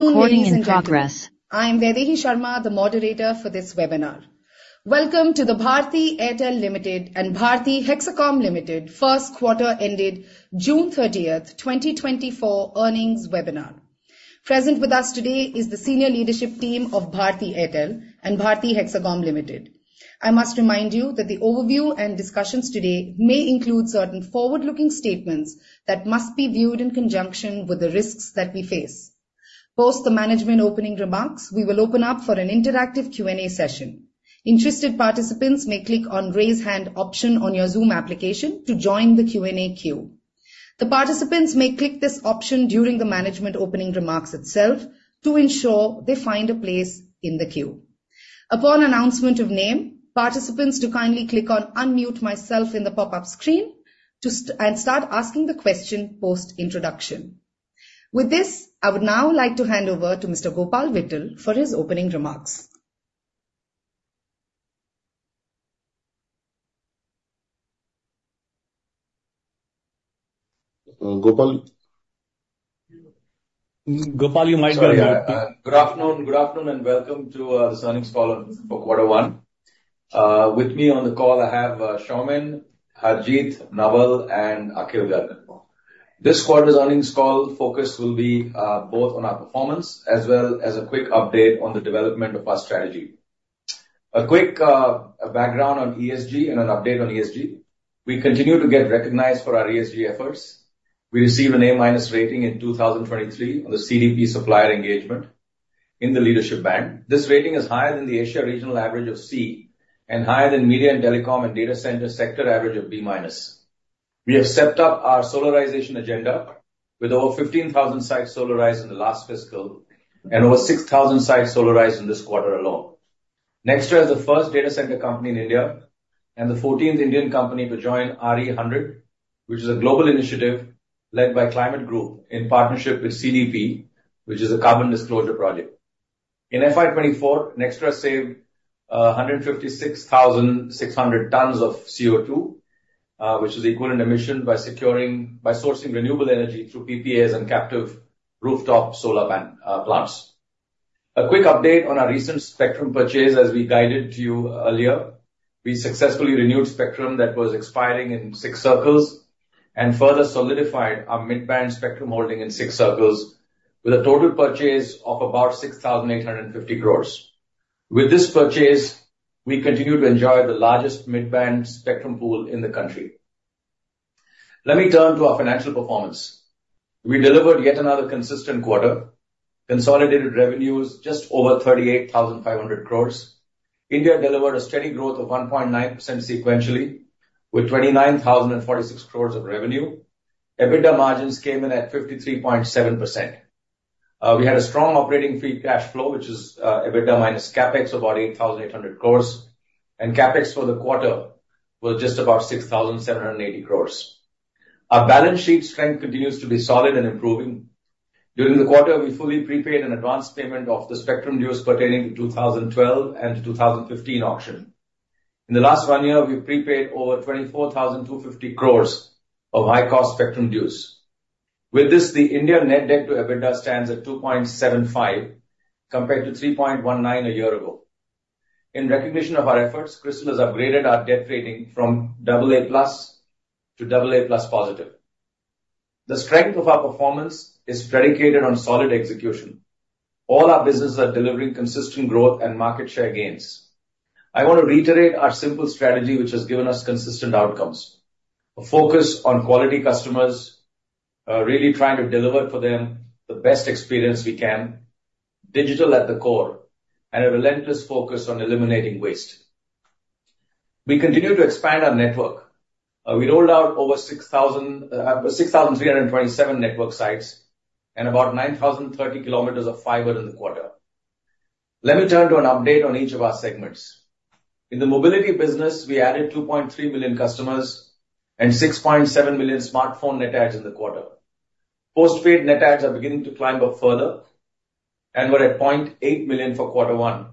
I am Vaidehi Sharma, the moderator for this webinar. Welcome to the Bharti Airtel Limited and Bharti Hexacom Limited first quarter ended June 30, 2024, earnings webinar. Present with us today is the senior leadership team of Bharti Airtel and Bharti Hexacom Limited. I must remind you that the overview and discussions today may include certain forward-looking statements that must be viewed in conjunction with the risks that we face. Post the management opening remarks, we will open up for an interactive Q&A session. Interested participants may click on Raise Hand option on your Zoom application to join the Q&A queue. The participants may click this option during the management opening remarks itself to ensure they find a place in the queue. Upon announcement of name, participants to kindly click on Unmute Myself in the pop-up screen to start asking the question post-introduction. With this, I would now like to hand over to Mr. Gopal Vittal for his opening remarks. Uh, Gopal? Gopal, you might be- Sorry. Good afternoon. Good afternoon, and welcome to this earnings call for quarter one. With me on the call, I have Soumen, Harjeet, Naval, and Akhil Garg. This quarter's earnings call focus will be both on our performance as well as a quick update on the development of our strategy. A quick background on ESG and an update on ESG. We continue to get recognized for our ESG efforts. We received an A-minus rating in 2023 on the CDP Supplier Engagement in the leadership band. This rating is higher than the Asia regional average of C and higher than Media and Telecom and Data Center sector average of B-minus. We have stepped up our solarization agenda with over 15,000 sites solarized in the last fiscal, and over 6,000 sites solarized in this quarter alone. Nxtra is the first data center company in India and the fourteenth Indian company to join RE100, which is a global initiative led by Climate Group in partnership with CDP, which is a carbon disclosure project. In FY 2024, Nxtra saved 156,600 tons of CO2, which is equivalent emission by securing, by sourcing renewable energy through PPAs and captive rooftop solar panel plants. A quick update on our recent spectrum purchase, as we guided to you earlier. We successfully renewed spectrum that was expiring in six circles, and further solidified our mid-band spectrum holding in six circles with a total purchase of about 6,850 crores. With this purchase, we continue to enjoy the largest mid-band spectrum pool in the country. Let me turn to our financial performance. We delivered yet another consistent quarter. Consolidated revenue is just over 38,500 crore. India delivered a steady growth of 1.9% sequentially, with 29,046 crore of revenue. EBITDA margins came in at 53.7%. We had a strong operating free cash flow, which is EBITDA minus CapEx, about 8,800 crore, and CapEx for the quarter was just about 6,780 crore. Our balance sheet strength continues to be solid and improving. During the quarter, we fully prepaid an advance payment of the spectrum dues pertaining to 2012 and 2015 auction. In the last one year, we've prepaid over 24,250 crore of high-cost spectrum dues. With this, the India net debt to EBITDA stands at 2.75, compared to 3.19 a year ago. In recognition of our efforts, CRISIL has upgraded our debt rating from double A plus to double A plus positive. The strength of our performance is predicated on solid execution. All our businesses are delivering consistent growth and market share gains. I want to reiterate our simple strategy, which has given us consistent outcomes. A focus on quality customers, really trying to deliver for them the best experience we can, digital at the core, and a relentless focus on eliminating waste. We continue to expand our network. We rolled out over 6,000, 6,327 network sites and about 9,030 kilometers of fiber in the quarter. Let me turn to an update on each of our segments. In the mobility business, we added 2.3 million customers and 6.7 million smartphone net adds in the quarter. Postpaid net adds are beginning to climb up further and were at 0.8 million for quarter one,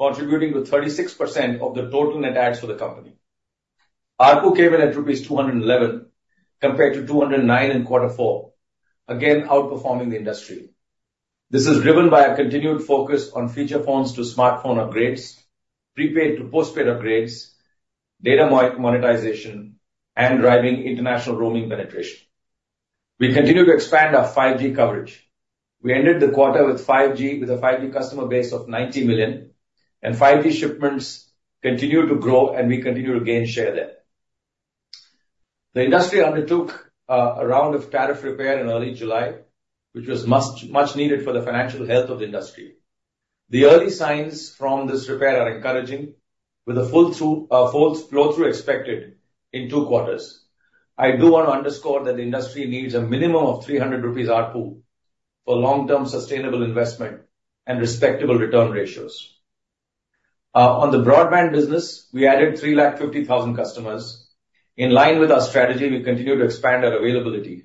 contributing to 36% of the total net adds for the company. ARPU came in at rupees 211, compared to 209 in quarter four, again, outperforming the industry. This is driven by a continued focus on feature phones to smartphone upgrades, prepaid to postpaid upgrades, data monetization, and driving international roaming penetration. We continue to expand our 5G coverage. We ended the quarter with 5G, with a 5G customer base of 90 million, and 5G shipments continue to grow, and we continue to gain share there. The industry undertook a round of tariff repair in early July, which was much, much needed for the financial health of the industry. The early signs from this repair are encouraging, with full flow-through expected in two quarters. I do want to underscore that the industry needs a minimum of 300 rupees ARPU for long-term sustainable investment and respectable return ratios. On the broadband business, we added 350,000 customers. In line with our strategy, we continue to expand our availability.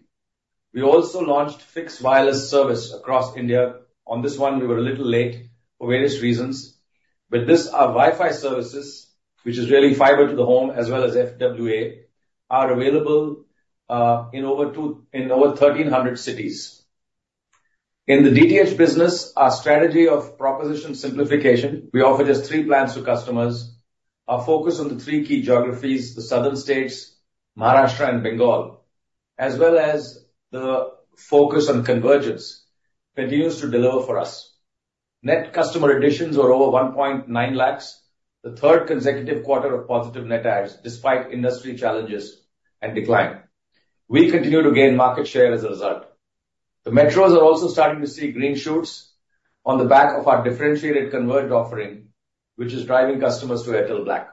We also launched fixed wireless service across India. On this one, we were a little late for various reasons. But this, our Wi-Fi services, which is really fiber to the home as well as FWA, are available in over 1,300 cities. In the DTH business, our strategy of proposition simplification, we offer just three plans to customers. Our focus on the three key geographies, the southern states, Maharashtra and Bengal, as well as the focus on convergence, continues to deliver for us. Net customer additions were over 1.9 lakhs, the third consecutive quarter of positive net adds, despite industry challenges and decline. We continue to gain market share as a result. The metros are also starting to see green shoots on the back of our differentiated converged offering, which is driving customers to Airtel Black.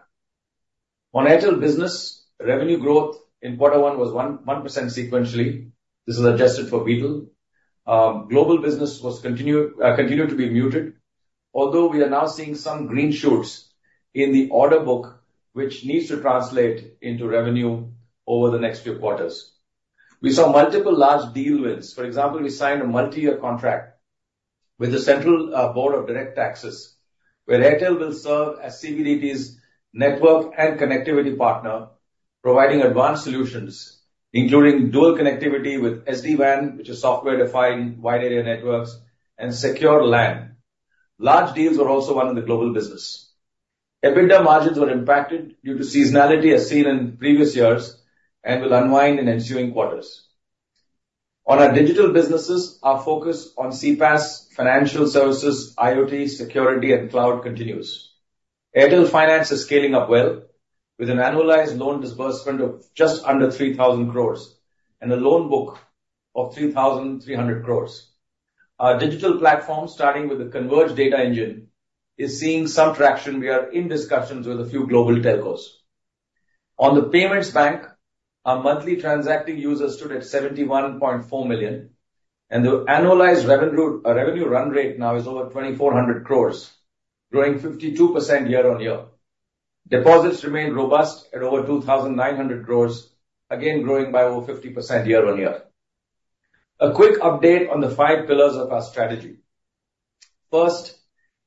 On Airtel business, revenue growth in quarter one was 1.1% sequentially. This is adjusted for Beetel. Global business was continued to be muted, although we are now seeing some green shoots in the order book, which needs to translate into revenue over the next few quarters. We saw multiple large deal wins. For example, we signed a multi-year contract with the Central Board of Direct Taxes, where Airtel will serve as CBDT's network and connectivity partner, providing advanced solutions, including dual connectivity with SD-WAN, which is Software-Defined Wide Area Networks and secure LAN. Large deals were also won in the global business. EBITDA margins were impacted due to seasonality, as seen in previous years, and will unwind in ensuing quarters. On our digital businesses, our focus on CPaaS, financial services, IoT, security, and cloud continues. Airtel Finance is scaling up well, with an annualized loan disbursement of just under 3,000 crore and a loan book of 3,300 crore. Our digital platform, starting with the converged data engine, is seeing some traction. We are in discussions with a few global telcos. On the payments bank, our monthly transacting users stood at 71.4 million, and the annualized revenue, revenue run rate now is over 2,400 crores, growing 52% year-on-year. Deposits remained robust at over 2,900 crores, again growing by over 50% year-on-year. A quick update on the five pillars of our strategy. First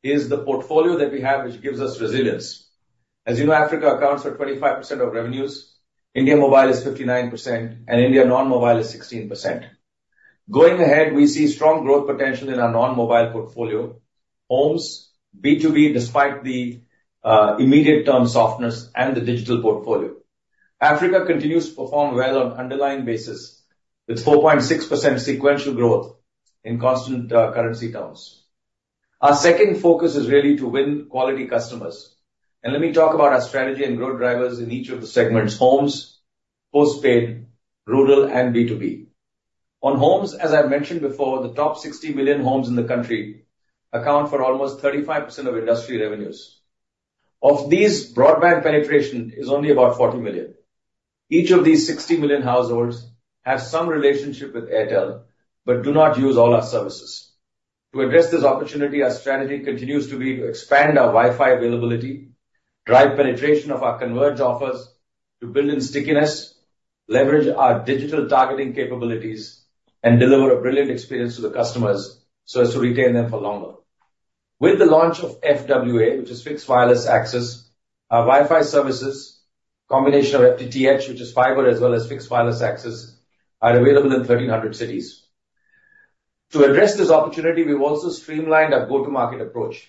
is the portfolio that we have, which gives us resilience. As you know, Africa accounts for 25% of revenues, India mobile is 59%, and India non-mobile is 16%. Going ahead, we see strong growth potential in our non-mobile portfolio, homes, B2B, despite the, immediate term softness and the digital portfolio. Africa continues to perform well on underlying basis, with 4.6% sequential growth in constant, currency terms. Our second focus is really to win quality customers, and let me talk about our strategy and growth drivers in each of the segments, homes, postpaid, rural, and B2B. On homes, as I mentioned before, the top 60 million homes in the country account for almost 35% of industry revenues. Of these, broadband penetration is only about 40 million. Each of these 60 million households have some relationship with Airtel, but do not use all our services. To address this opportunity, our strategy continues to be to expand our Wi-Fi availability, drive penetration of our converged offers to build in stickiness, leverage our digital targeting capabilities, and deliver a brilliant experience to the customers so as to retain them for longer. With the launch of FWA, which is Fixed Wireless Access, our Wi-Fi services, combination of FTTH, which is fiber, as well as Fixed Wireless Access, are available in 1,300 cities. To address this opportunity, we've also streamlined our go-to-market approach.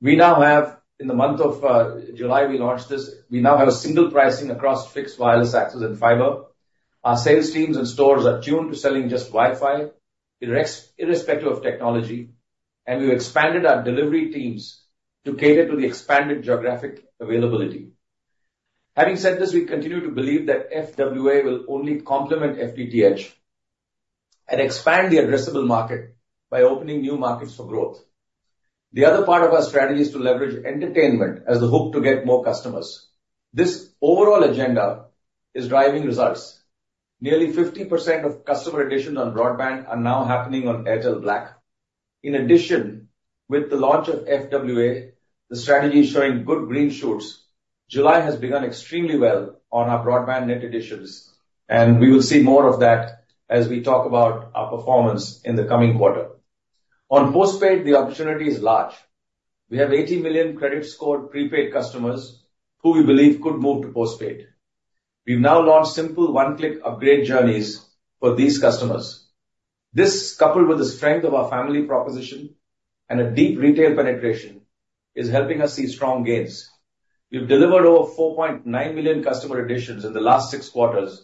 We now have... In the month of July, we launched this, we now have a single pricing across Fixed Wireless Access and fiber. Our sales teams and stores are tuned to selling just Wi-Fi, irrespective of technology, and we've expanded our delivery teams to cater to the expanded geographic availability. Having said this, we continue to believe that FWA will only complement FTTH and expand the addressable market by opening new markets for growth. The other part of our strategy is to leverage entertainment as the hook to get more customers. This overall agenda is driving results. Nearly 50% of customer additions on broadband are now happening on Airtel Black. In addition, with the launch of FWA, the strategy is showing good green shoots. July has begun extremely well on our broadband net additions, and we will see more of that as we talk about our performance in the coming quarter. On postpaid, the opportunity is large. We have 80 million credit scored prepaid customers who we believe could move to postpaid. We've now launched simple one-click upgrade journeys for these customers. This, coupled with the strength of our family proposition and a deep retail penetration, is helping us see strong gains. We've delivered over 4.9 million customer additions in the last six quarters,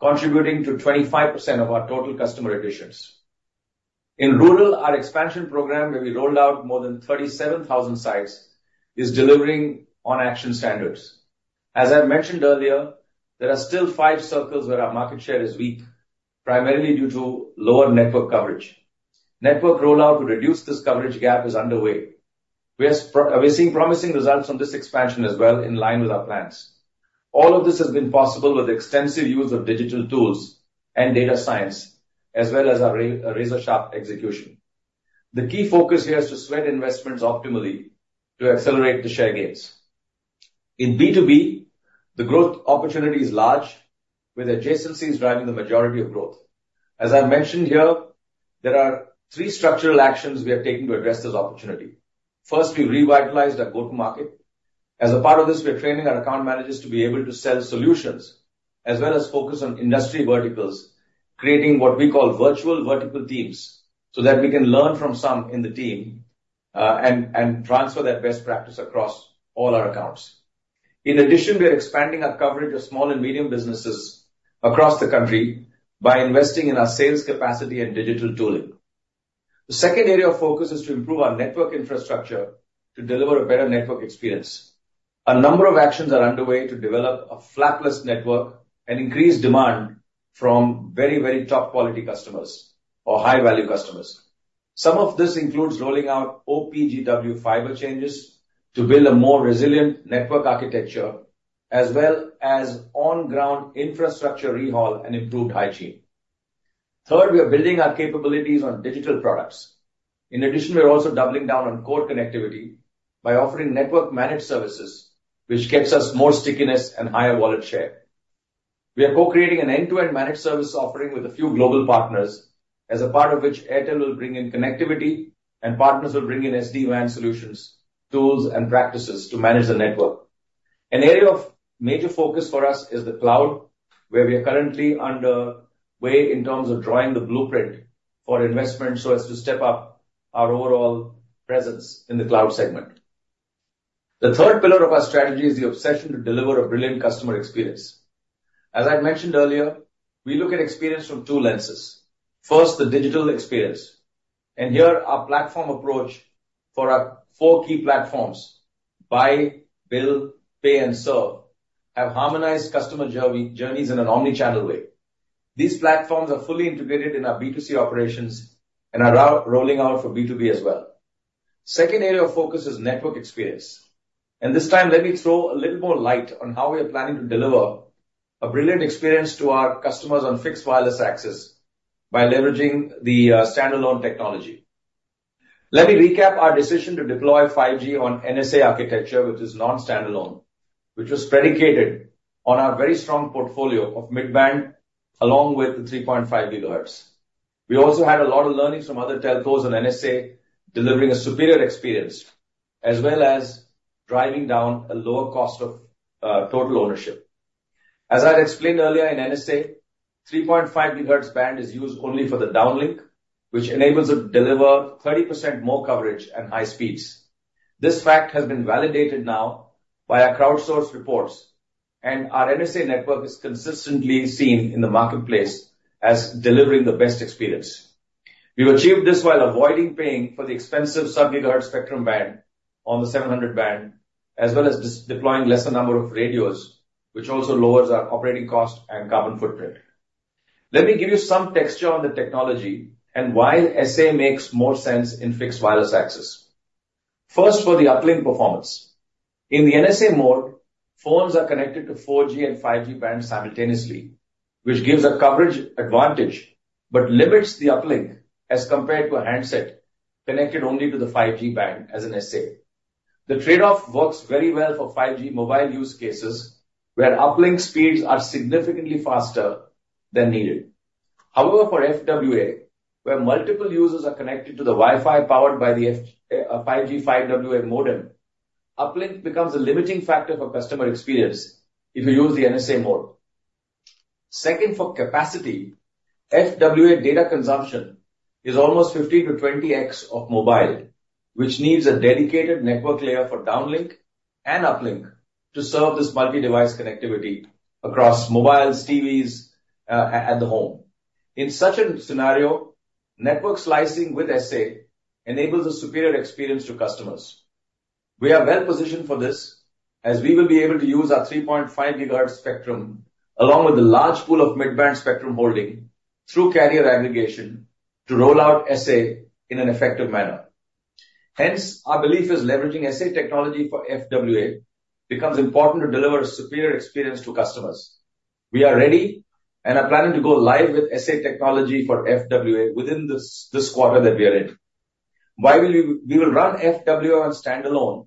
contributing to 25% of our total customer additions. In rural, our expansion program, where we rolled out more than 37,000 sites, is delivering on action standards. As I mentioned earlier, there are still five circles where our market share is weak, primarily due to lower network coverage. Network rollout to reduce this coverage gap is underway. We are seeing promising results from this expansion as well, in line with our plans. All of this has been possible with extensive use of digital tools and data science, as well as our razor-sharp execution. The key focus here is to spread investments optimally to accelerate the share gains... In B2B, the growth opportunity is large, with adjacencies driving the majority of growth. As I mentioned here, there are three structural actions we are taking to address this opportunity. First, we revitalized our go-to-market. As a part of this, we are training our account managers to be able to sell solutions as well as focus on industry verticals, creating what we call virtual vertical teams, so that we can learn from some in the team and transfer that best practice across all our accounts. In addition, we are expanding our coverage of small and medium businesses across the country by investing in our sales capacity and digital tooling. The second area of focus is to improve our network infrastructure to deliver a better network experience. A number of actions are underway to develop a faultless network and increase demand from very, very top quality customers or high-value customers. Some of this includes rolling out OPGW fiber changes to build a more resilient network architecture, as well as on-ground infrastructure overhaul and improved hygiene. Third, we are building our capabilities on digital products. In addition, we are also doubling down on core connectivity by offering network managed services, which gets us more stickiness and higher wallet share. We are co-creating an end-to-end managed service offering with a few global partners, as a part of which Airtel will bring in connectivity and partners will bring in SD-WAN solutions, tools and practices to manage the network. An area of major focus for us is the cloud, where we are currently underway in terms of drawing the blueprint for investment so as to step up our overall presence in the cloud segment. The third pillar of our strategy is the obsession to deliver a brilliant customer experience. As I mentioned earlier, we look at experience from two lenses. First, the digital experience, and here our platform approach for our four key platforms: buy, build, pay, and serve, have harmonized customer journeys in an omni-channel way. These platforms are fully integrated in our B2C operations and are rolling out for B2B as well. Second area of focus is network experience, and this time, let me throw a little more light on how we are planning to deliver a brilliant experience to our customers on fixed wireless access by leveraging the standalone technology. Let me recap our decision to deploy 5G on NSA architecture, which is non-standalone, which was predicated on our very strong portfolio of mid-band, along with the 3.5 gigahertz. We also had a lot of learnings from other telcos on NSA, delivering a superior experience, as well as driving down a lower cost of total ownership. As I had explained earlier, in NSA, 3.5 gigahertz band is used only for the downlink, which enables it to deliver 30% more coverage at high speeds. This fact has been validated now by our crowdsourced reports, and our NSA network is consistently seen in the marketplace as delivering the best experience. We've achieved this while avoiding paying for the expensive sub-gigahertz spectrum band on the 700 band, as well as avoiding deploying lesser number of radios, which also lowers our operating cost and carbon footprint. Let me give you some texture on the technology and why SA makes more sense in fixed wireless access. First, for the uplink performance. In the NSA mode, phones are connected to 4G and 5G bands simultaneously, which gives a coverage advantage, but limits the uplink as compared to a handset connected only to the 5G band as an SA. The trade-off works very well for 5G mobile use cases, where uplink speeds are significantly faster than needed. However, for FWA, where multiple users are connected to the Wi-Fi powered by the 5G FWA modem, uplink becomes a limiting factor for customer experience if you use the NSA mode. Second, for capacity, FWA data consumption is almost 15-20x of mobile, which needs a dedicated network layer for downlink and uplink to serve this multi-device connectivity across mobiles, TVs, at the home. In such a scenario, network slicing with SA enables a superior experience to customers. We are well positioned for this, as we will be able to use our 3.5 gigahertz spectrum, along with a large pool of mid-band spectrum holding, through carrier aggregation, to roll out SA in an effective manner. Hence, our belief is leveraging SA technology for FWA becomes important to deliver a superior experience to customers. We are ready and are planning to go live with SA technology for FWA within this, this quarter that we are in. Why will we? We will run FWA on standalone.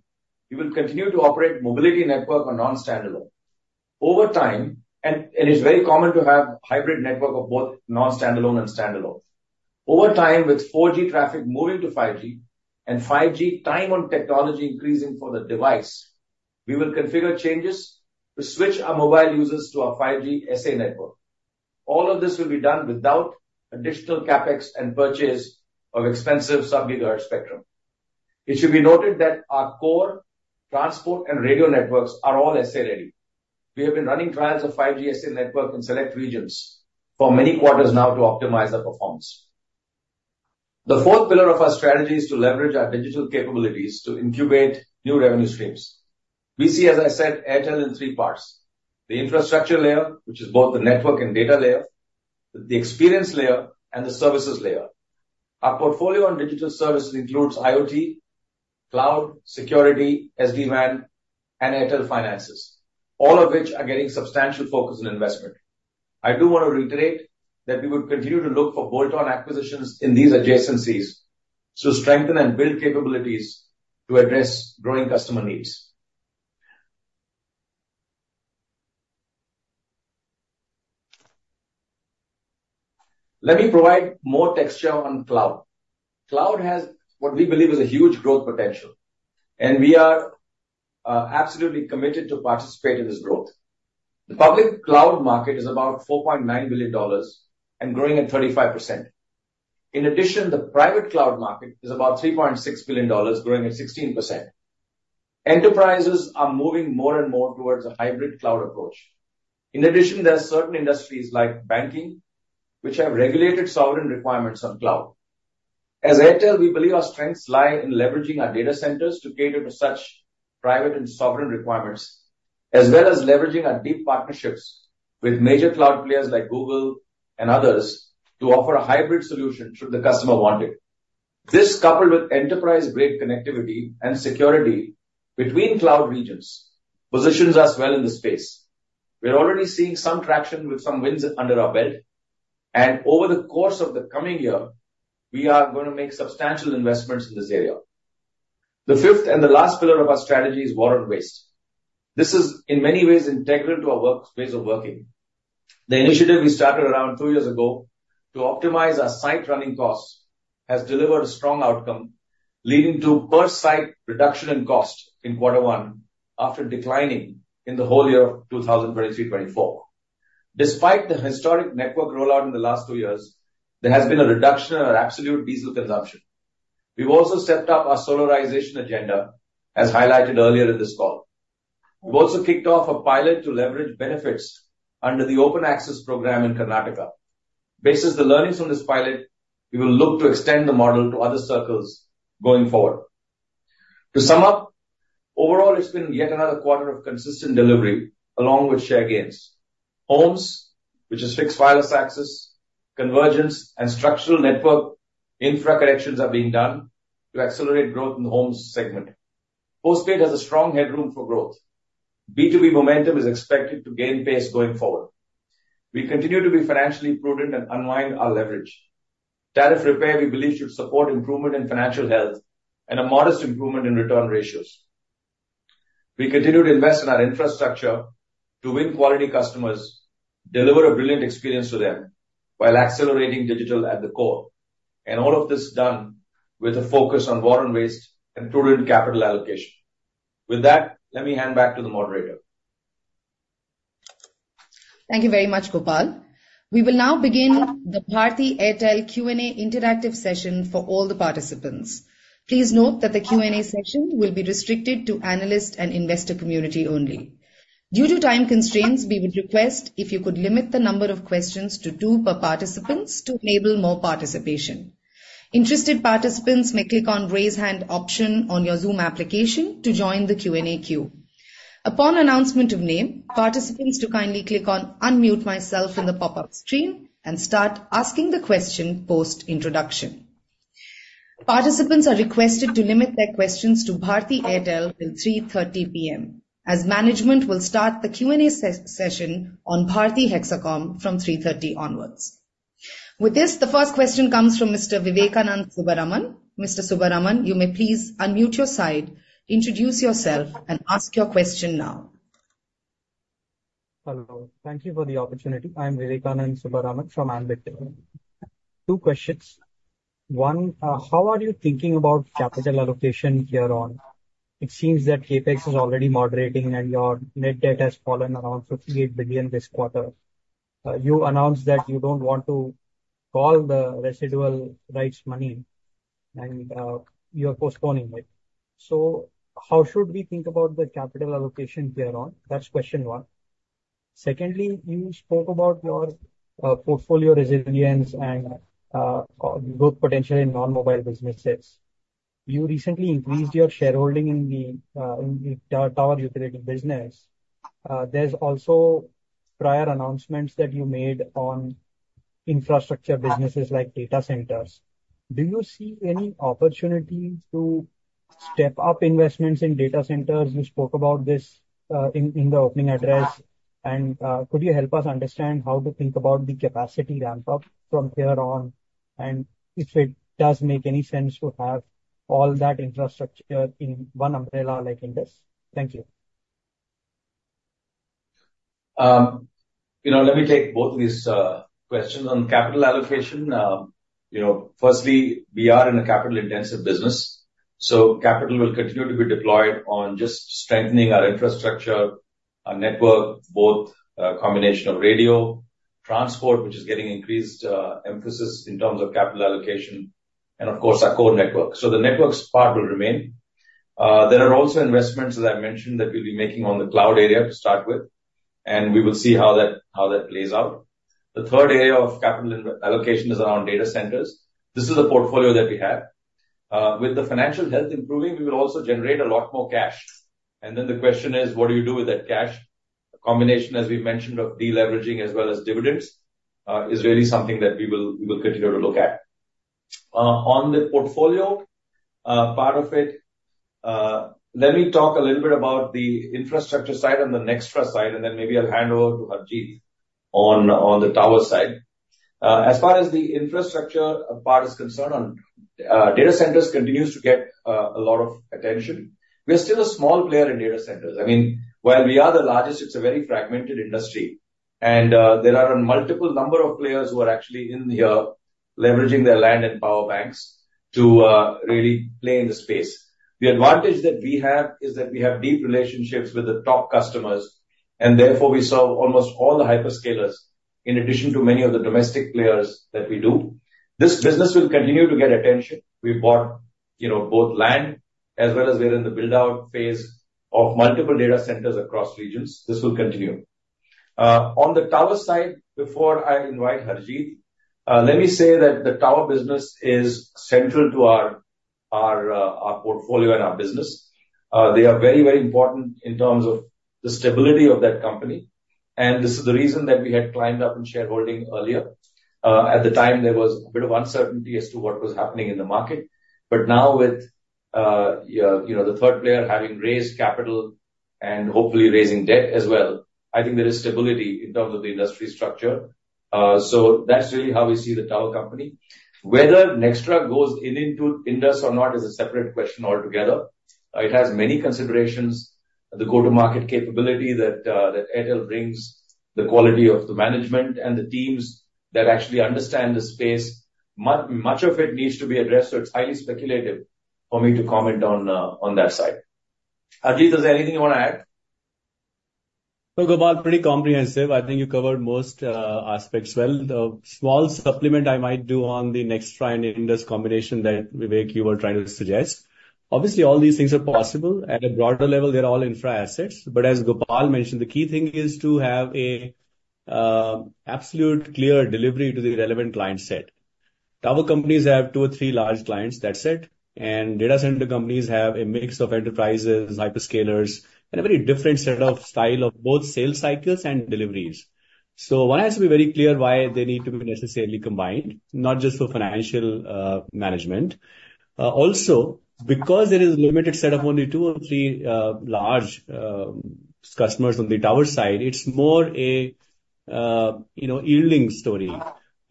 We will continue to operate mobility network on non-standalone. Over time, it's very common to have hybrid network of both non-standalone and standalone. Over time, with 4G traffic moving to 5G and 5G time on technology increasing for the device, we will configure changes to switch our mobile users to our 5G SA network. All of this will be done without additional CapEx and purchase of expensive sub-gigahertz spectrum. It should be noted that our core transport and radio networks are all SA ready. We have been running trials of 5G SA network in select regions for many quarters now to optimize the performance. The fourth pillar of our strategy is to leverage our digital capabilities to incubate new revenue streams. We see, as I said, Airtel in three parts: the infrastructure layer, which is both the network and data layer, the experience layer, and the services layer. Our portfolio on digital services includes IoT, cloud, security, SD-WAN, and Airtel Finance, all of which are getting substantial focus and investment.... I do want to reiterate that we will continue to look for bolt-on acquisitions in these adjacencies to strengthen and build capabilities to address growing customer needs. Let me provide more texture on cloud. Cloud has what we believe is a huge growth potential, and we are absolutely committed to participate in this growth. The public cloud market is about $4.9 billion and growing at 35%. In addition, the private cloud market is about $3.6 billion, growing at 16%. Enterprises are moving more and more towards a hybrid cloud approach. In addition, there are certain industries like banking, which have regulated sovereign requirements on cloud. As Airtel, we believe our strengths lie in leveraging our data centers to cater to such private and sovereign requirements, as well as leveraging our deep partnerships with major cloud players like Google and others, to offer a hybrid solution should the customer want it. This, coupled with enterprise-grade connectivity and security between cloud regions, positions us well in the space. We are already seeing some traction with some wins under our belt, and over the course of the coming year, we are going to make substantial investments in this area. The fifth and the last pillar of our strategy is water and waste. This is in many ways integral to our work, ways of working. The initiative we started around two years ago to optimize our site running costs has delivered a strong outcome, leading to per site reduction in cost in quarter one, after declining in the whole year of 2023-24. Despite the historic network rollout in the last two years, there has been a reduction in our absolute diesel consumption. We've also stepped up our solarization agenda, as highlighted earlier in this call. We've also kicked off a pilot to leverage benefits under the Open Access Program in Karnataka. Based on the learnings from this pilot, we will look to extend the model to other circles going forward. To sum up, overall, it's been yet another quarter of consistent delivery along with share gains. Homes, which is fixed wireless access, convergence and structural network infra corrections are being done to accelerate growth in the homes segment. Postpaid has a strong headroom for growth. B2B momentum is expected to gain pace going forward. We continue to be financially prudent and unwind our leverage. Tariff repair, we believe, should support improvement in financial health and a modest improvement in return ratios. We continue to invest in our infrastructure to win quality customers, deliver a brilliant experience to them, while accelerating digital at the core, and all of this done with a focus on water and waste and prudent capital allocation. With that, let me hand back to the moderator. Thank you very much, Gopal. We will now begin the Bharti Airtel Q&A interactive session for all the participants. Please note that the Q&A section will be restricted to analyst and investor community only. Due to time constraints, we would request if you could limit the number of questions to two per participants to enable more participation. Interested participants may click on Raise Hand option on your Zoom application to join the Q&A queue. Upon announcement of name, participants to kindly click on Unmute Myself in the pop-up screen and start asking the question post-introduction. Participants are requested to limit their questions to Bharti Airtel till 3:30 P.M., as management will start the Q&A session on Bharti Hexacom from 3:30 P.M. onwards. With this, the first question comes from Mr. Vivekananda Subbaraman. Mr. Subbaraman, you may please unmute your side, introduce yourself, and ask your question now. Hello. Thank you for the opportunity. I am Vivekananda Subbaraman from Ambit. Two questions. One, how are you thinking about capital allocation here on? It seems that CapEx is already moderating and your net debt has fallen around 58 billion this quarter. You announced that you don't want to call the residual rights money, and, you are postponing it. So how should we think about the capital allocation here on? That's question one. Secondly, you spoke about your, portfolio resilience and, growth potential in non-mobile businesses. You recently increased your shareholding in the, in the tower utility business. There's also prior announcements that you made on infrastructure businesses like data centers. Do you see any opportunity to step up investments in data centers? You spoke about this, in, in the opening address. Could you help us understand how to think about the capacity ramp up from here on, and if it does make any sense to have all that infrastructure in one umbrella like this? Thank you. You know, let me take both of these questions. On capital allocation, you know, firstly, we are in a capital-intensive business, so capital will continue to be deployed on just strengthening our infrastructure, our network, both a combination of radio, transport, which is getting increased emphasis in terms of capital allocation, and of course our core network. So the networks part will remain. There are also investments, as I mentioned, that we'll be making on the cloud area to start with, and we will see how that, how that plays out. The third area of capital allocation is around data centers. This is a portfolio that we have. With the financial health improving, we will also generate a lot more cash. And then the question is: What do you do with that cash? A combination, as we mentioned, of deleveraging as well as dividends is really something that we will, we will continue to look at. On the portfolio part of it, let me talk a little bit about the infrastructure side and the Nxtra side, and then maybe I'll hand over to Harjeet on the tower side. As far as the infrastructure part is concerned on data centers continues to get a lot of attention. We are still a small player in data centers. I mean, while we are the largest, it's a very fragmented industry, and there are a multiple number of players who are actually in here leveraging their land and power banks to really play in the space. The advantage that we have is that we have deep relationships with the top customers, and therefore we serve almost all the hyperscalers, in addition to many of the domestic players that we do. This business will continue to get attention. We bought, you know, both land as well as we're in the build-out phase of multiple data centers across regions. This will continue. On the tower side, before I invite Harjeet, let me say that the tower business is central to our portfolio and our business. They are very, very important in terms of the stability of that company, and this is the reason that we had climbed up in shareholding earlier. At the time, there was a bit of uncertainty as to what was happening in the market, but now with, you know, the third player having raised capital and hopefully raising debt as well, I think there is stability in terms of the industry structure. So that's really how we see the tower company. Whether Nxtra goes into Indus or not is a separate question altogether. It has many considerations. The go-to-market capability that that Airtel brings, the quality of the management and the teams that actually understand the space. Much of it needs to be addressed, so it's highly speculative for me to comment on, on that side. Harjit, is there anything you want to add? No, Gopal, pretty comprehensive. I think you covered most aspects well. The small supplement I might do on the Nxtra and Indus combination that, Vivek, you were trying to suggest. Obviously, all these things are possible. At a broader level, they're all infra assets, but as Gopal mentioned, the key thing is to have an absolute clear delivery to the relevant client set. Tower companies have two or three large clients, that's it, and data center companies have a mix of enterprises, hyperscalers, and a very different set of style of both sales cycles and deliveries. So one has to be very clear why they need to be necessarily combined, not just for financial management. Also, because there is a limited set of only two or three large customers on the tower side, it's more a you know, yielding story.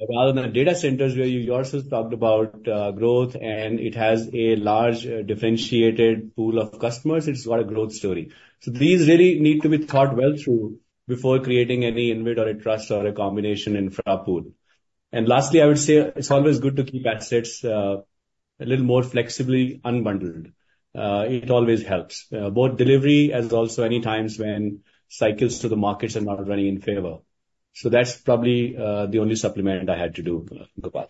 Rather than data centers, where you also talked about growth, and it has a large differentiated pool of customers, it's got a growth story. So these really need to be thought well through before creating any InvIT or a trust or a combination infra pool. And lastly, I would say it's always good to keep assets a little more flexibly unbundled. It always helps both delivery as also any times when cycles to the markets are not running in favor. So that's probably the only supplement I had to do, Gopal.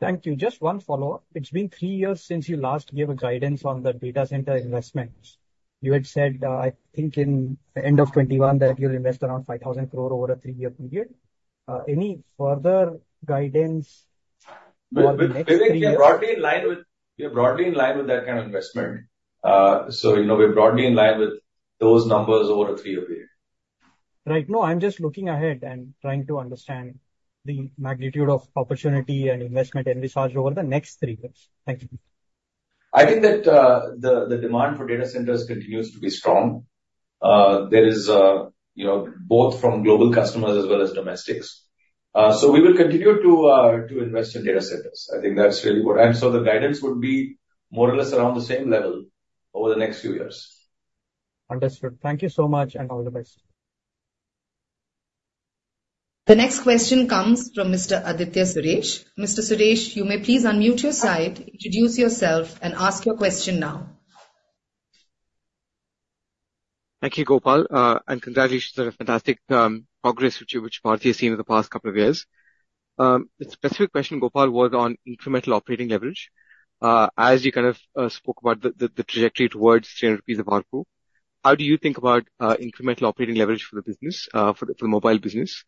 Thank you. Just one follow-up. It's been three years since you last gave a guidance on the data center investments. You had said, I think in the end of 2021, that you'll invest around 5,000 crore over a three-year period. Any further guidance for the next three years? We are broadly in line with. We are broadly in line with that kind of investment. So, you know, we're broadly in line with those numbers over a three-year period. Right. No, I'm just looking ahead and trying to understand the magnitude of opportunity and investment envisaged over the next three years. Thank you. I think that the demand for data centers continues to be strong. There is, you know, both from global customers as well as domestics. So we will continue to invest in data centers. I think that's really what... And so the guidance would be more or less around the same level over the next few years. Understood. Thank you so much, and all the best. The next question comes from Mr. Aditya Suresh. Mr. Suresh, you may please unmute your side, introduce yourself and ask your question now. Thank you, Gopal, and congratulations on a fantastic progress which Bharti has seen over the past couple of years. The specific question, Gopal, was on incremental operating leverage. As you kind of spoke about the trajectory towards 300 rupees of ARPU, how do you think about incremental operating leverage for the business, for the mobile business?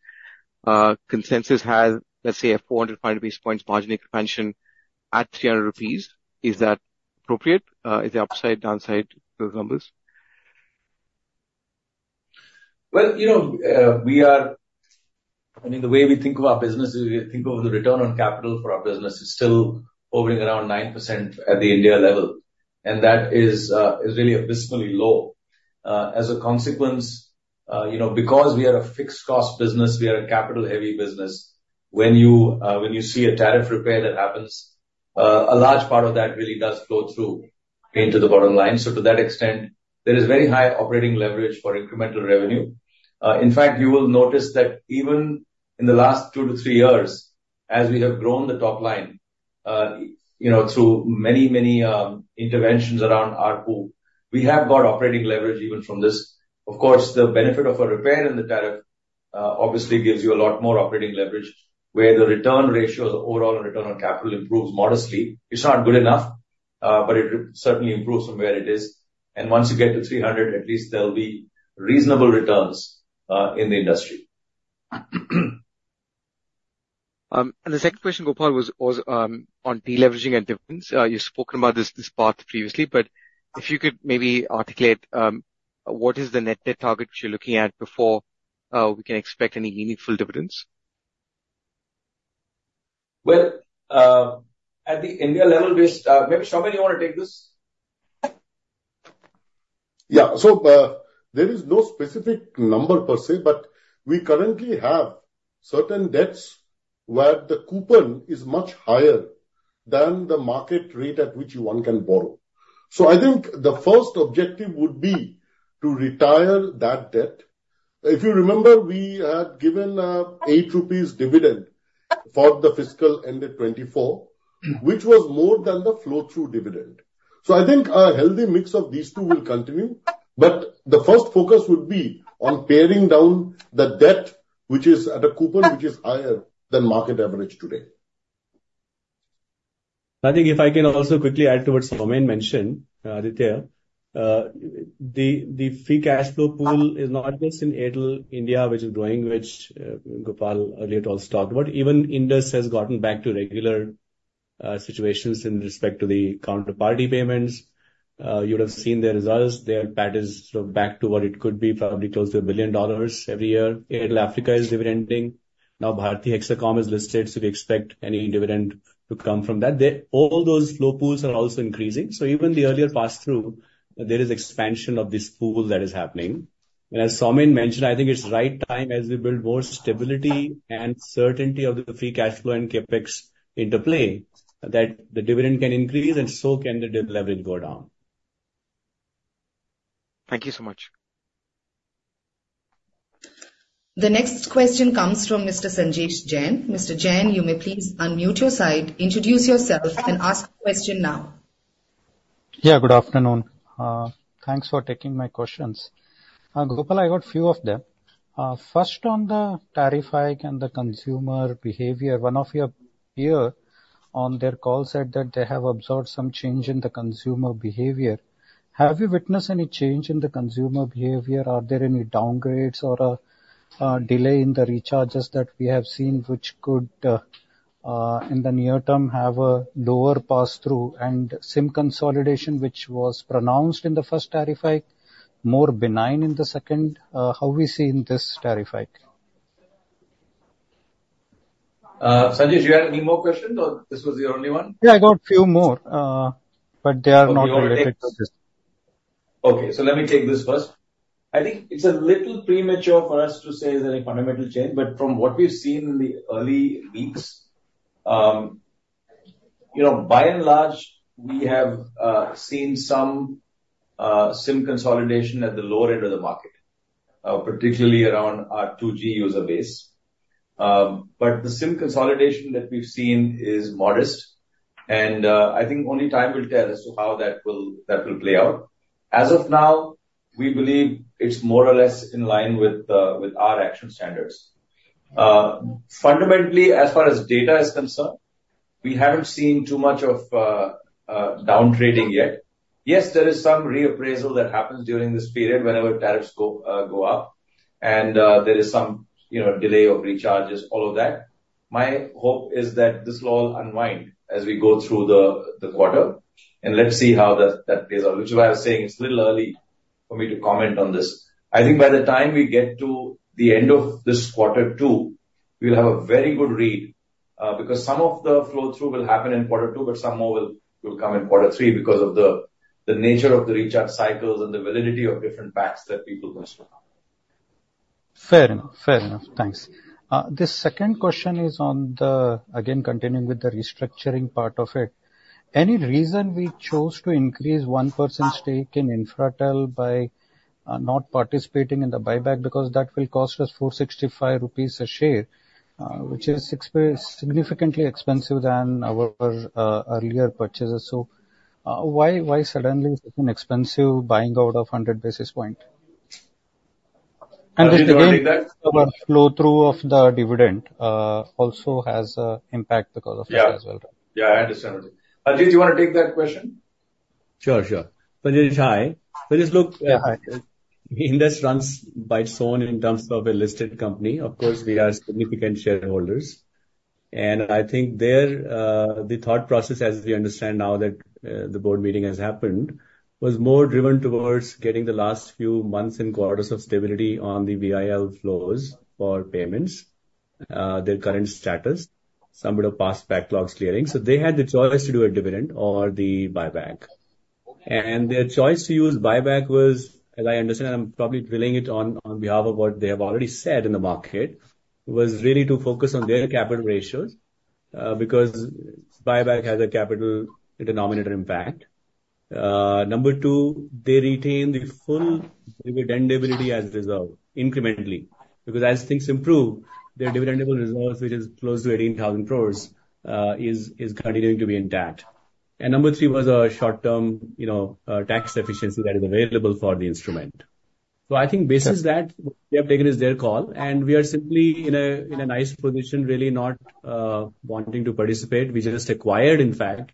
Consensus has, let's say, a 400 basis points margin expansion at 300 rupees. Is that appropriate? Is there upside, downside to the numbers? Well, you know, we are, I mean, the way we think of our business is, we think of the return on capital for our business is still hovering around 9% at the India level, and that is, is really abysmally low. As a consequence, you know, because we are a fixed cost business, we are a capital-heavy business, when you, when you see a tariff repair that happens, a large part of that really does flow through into the bottom line. So to that extent, there is very high operating leverage for incremental revenue. In fact, you will notice that even in the last 2-3 years, as we have grown the top line, you know, through many, many, interventions around ARPU, we have got operating leverage even from this. Of course, the benefit of a repair in the tariff, obviously gives you a lot more operating leverage, where the return ratio, the overall return on capital improves modestly. It's not good enough, but it would certainly improve from where it is, and once you get to 300, at least there'll be reasonable returns, in the industry. And the second question, Gopal, was on deleveraging and dividends. You've spoken about this part previously, but if you could maybe articulate what is the net debt target which you're looking at before we can expect any meaningful dividends? Well, at the India level, we start, maybe, Soumen, you want to take this? Yeah. So, there is no specific number per se, but we currently have certain debts where the coupon is much higher than the market rate at which one can borrow. So I think the first objective would be to retire that debt. If you remember, we had given, eight rupees dividend for the fiscal ended 2024, which was more than the flow-through dividend. So I think a healthy mix of these two will continue, but the first focus would be on paring down the debt, which is at a coupon, which is higher than market average today. I think if I can also quickly add towards Soumen mention, Aditya, the free cash flow pool is not just in Airtel India, which is growing, which Gopal earlier also talked about. Even Indus has gotten back to regular situations in respect to the counterparty payments. You would have seen the results. Their pattern is back to what it could be, probably close to $1 billion every year. Airtel Africa is dividending. Now, Bharti Hexacom is listed, so we expect any dividend to come from that. All those flow pools are also increasing. So even the earlier pass-through, there is expansion of this pool that is happening. As Soumen mentioned, I think it's the right time as we build more stability and certainty of the free cash flow and CapEx into play, that the dividend can increase and so can the debt level go down. Thank you so much. The next question comes from Mr. Sanjesh Jain. Mr. Jain, you may please unmute your side, introduce yourself, and ask the question now. Yeah, good afternoon. Thanks for taking my questions. Gopal, I got a few of them. First, on the tariff hike and the consumer behavior, one of your peer on their call said that they have observed some change in the consumer behavior. Have you witnessed any change in the consumer behavior? Are there any downgrades or, a delay in the recharges that we have seen, which could, in the near term, have a lower pass-through and SIM consolidation, which was pronounced in the first tariff hike, more benign in the second? How we see in this tariff hike? Sanjesh, do you have any more questions, or this was your only one? Yeah, I got a few more, but they are not related to this. Okay, so let me take this first. I think it's a little premature for us to say there's a fundamental change, but from what we've seen in the early weeks, you know, by and large, we have seen some SIM consolidation at the lower end of the market, particularly around our 2G user base. But the SIM consolidation that we've seen is modest, and I think only time will tell as to how that will play out. As of now, we believe it's more or less in line with our action standards. Fundamentally, as far as data is concerned, we haven't seen too much of downtrading yet. Yes, there is some reappraisal that happens during this period whenever tariffs go up, and there is some, you know, delay of recharges, all of that. My hope is that this will all unwind as we go through the quarter, and let's see how that plays out. Which is why I was saying it's a little early for me to comment on this. I think by the time we get to the end of this quarter two, we'll have a very good read, because some of the flow-through will happen in quarter two, but some more will come in quarter three because of the nature of the recharge cycles and the validity of different packs that people consume. Fair enough. Fair enough. Thanks. The second question is on the, again, continuing with the restructuring part of it. Any reason we chose to increase 1% stake in Infratel by not participating in the buyback? Because that will cost us 465 rupees a share, which is significantly expensive than our earlier purchases. So, why suddenly such an expensive buying out of 100 basis points? Sanjesh, do you want to take that? And again, our flow-through of the dividend also has impact because of that as well. Yeah, I understand. Sanjesh, do you want to take that question? Sure, sure. Sanjesh, hi. Sanjesh, look, Indus runs by its own in terms of a listed company. Of course, we are significant shareholders. And I think there, the thought process, as we understand now that, the board meeting has happened, was more driven towards getting the last few months and quarters of stability on the VIL flows for payments, their current status, some bit of past backlogs clearing. So they had the choice to do a dividend or the buyback. And their choice to use buyback was, as I understand, I'm probably drilling it on, on behalf of what they have already said in the market, was really to focus on their capital ratios, because buyback has a capital denominator impact. Number two, they retain the full dividend ability as reserved, incrementally, because as things improve, their dividendable reserves, which is close to 18,000 crore, is continuing to be intact. And number three was a short-term, you know, tax efficiency that is available for the instrument. So I think basis that, they have taken is their call, and we are simply in a nice position, really not wanting to participate. We just acquired, in fact,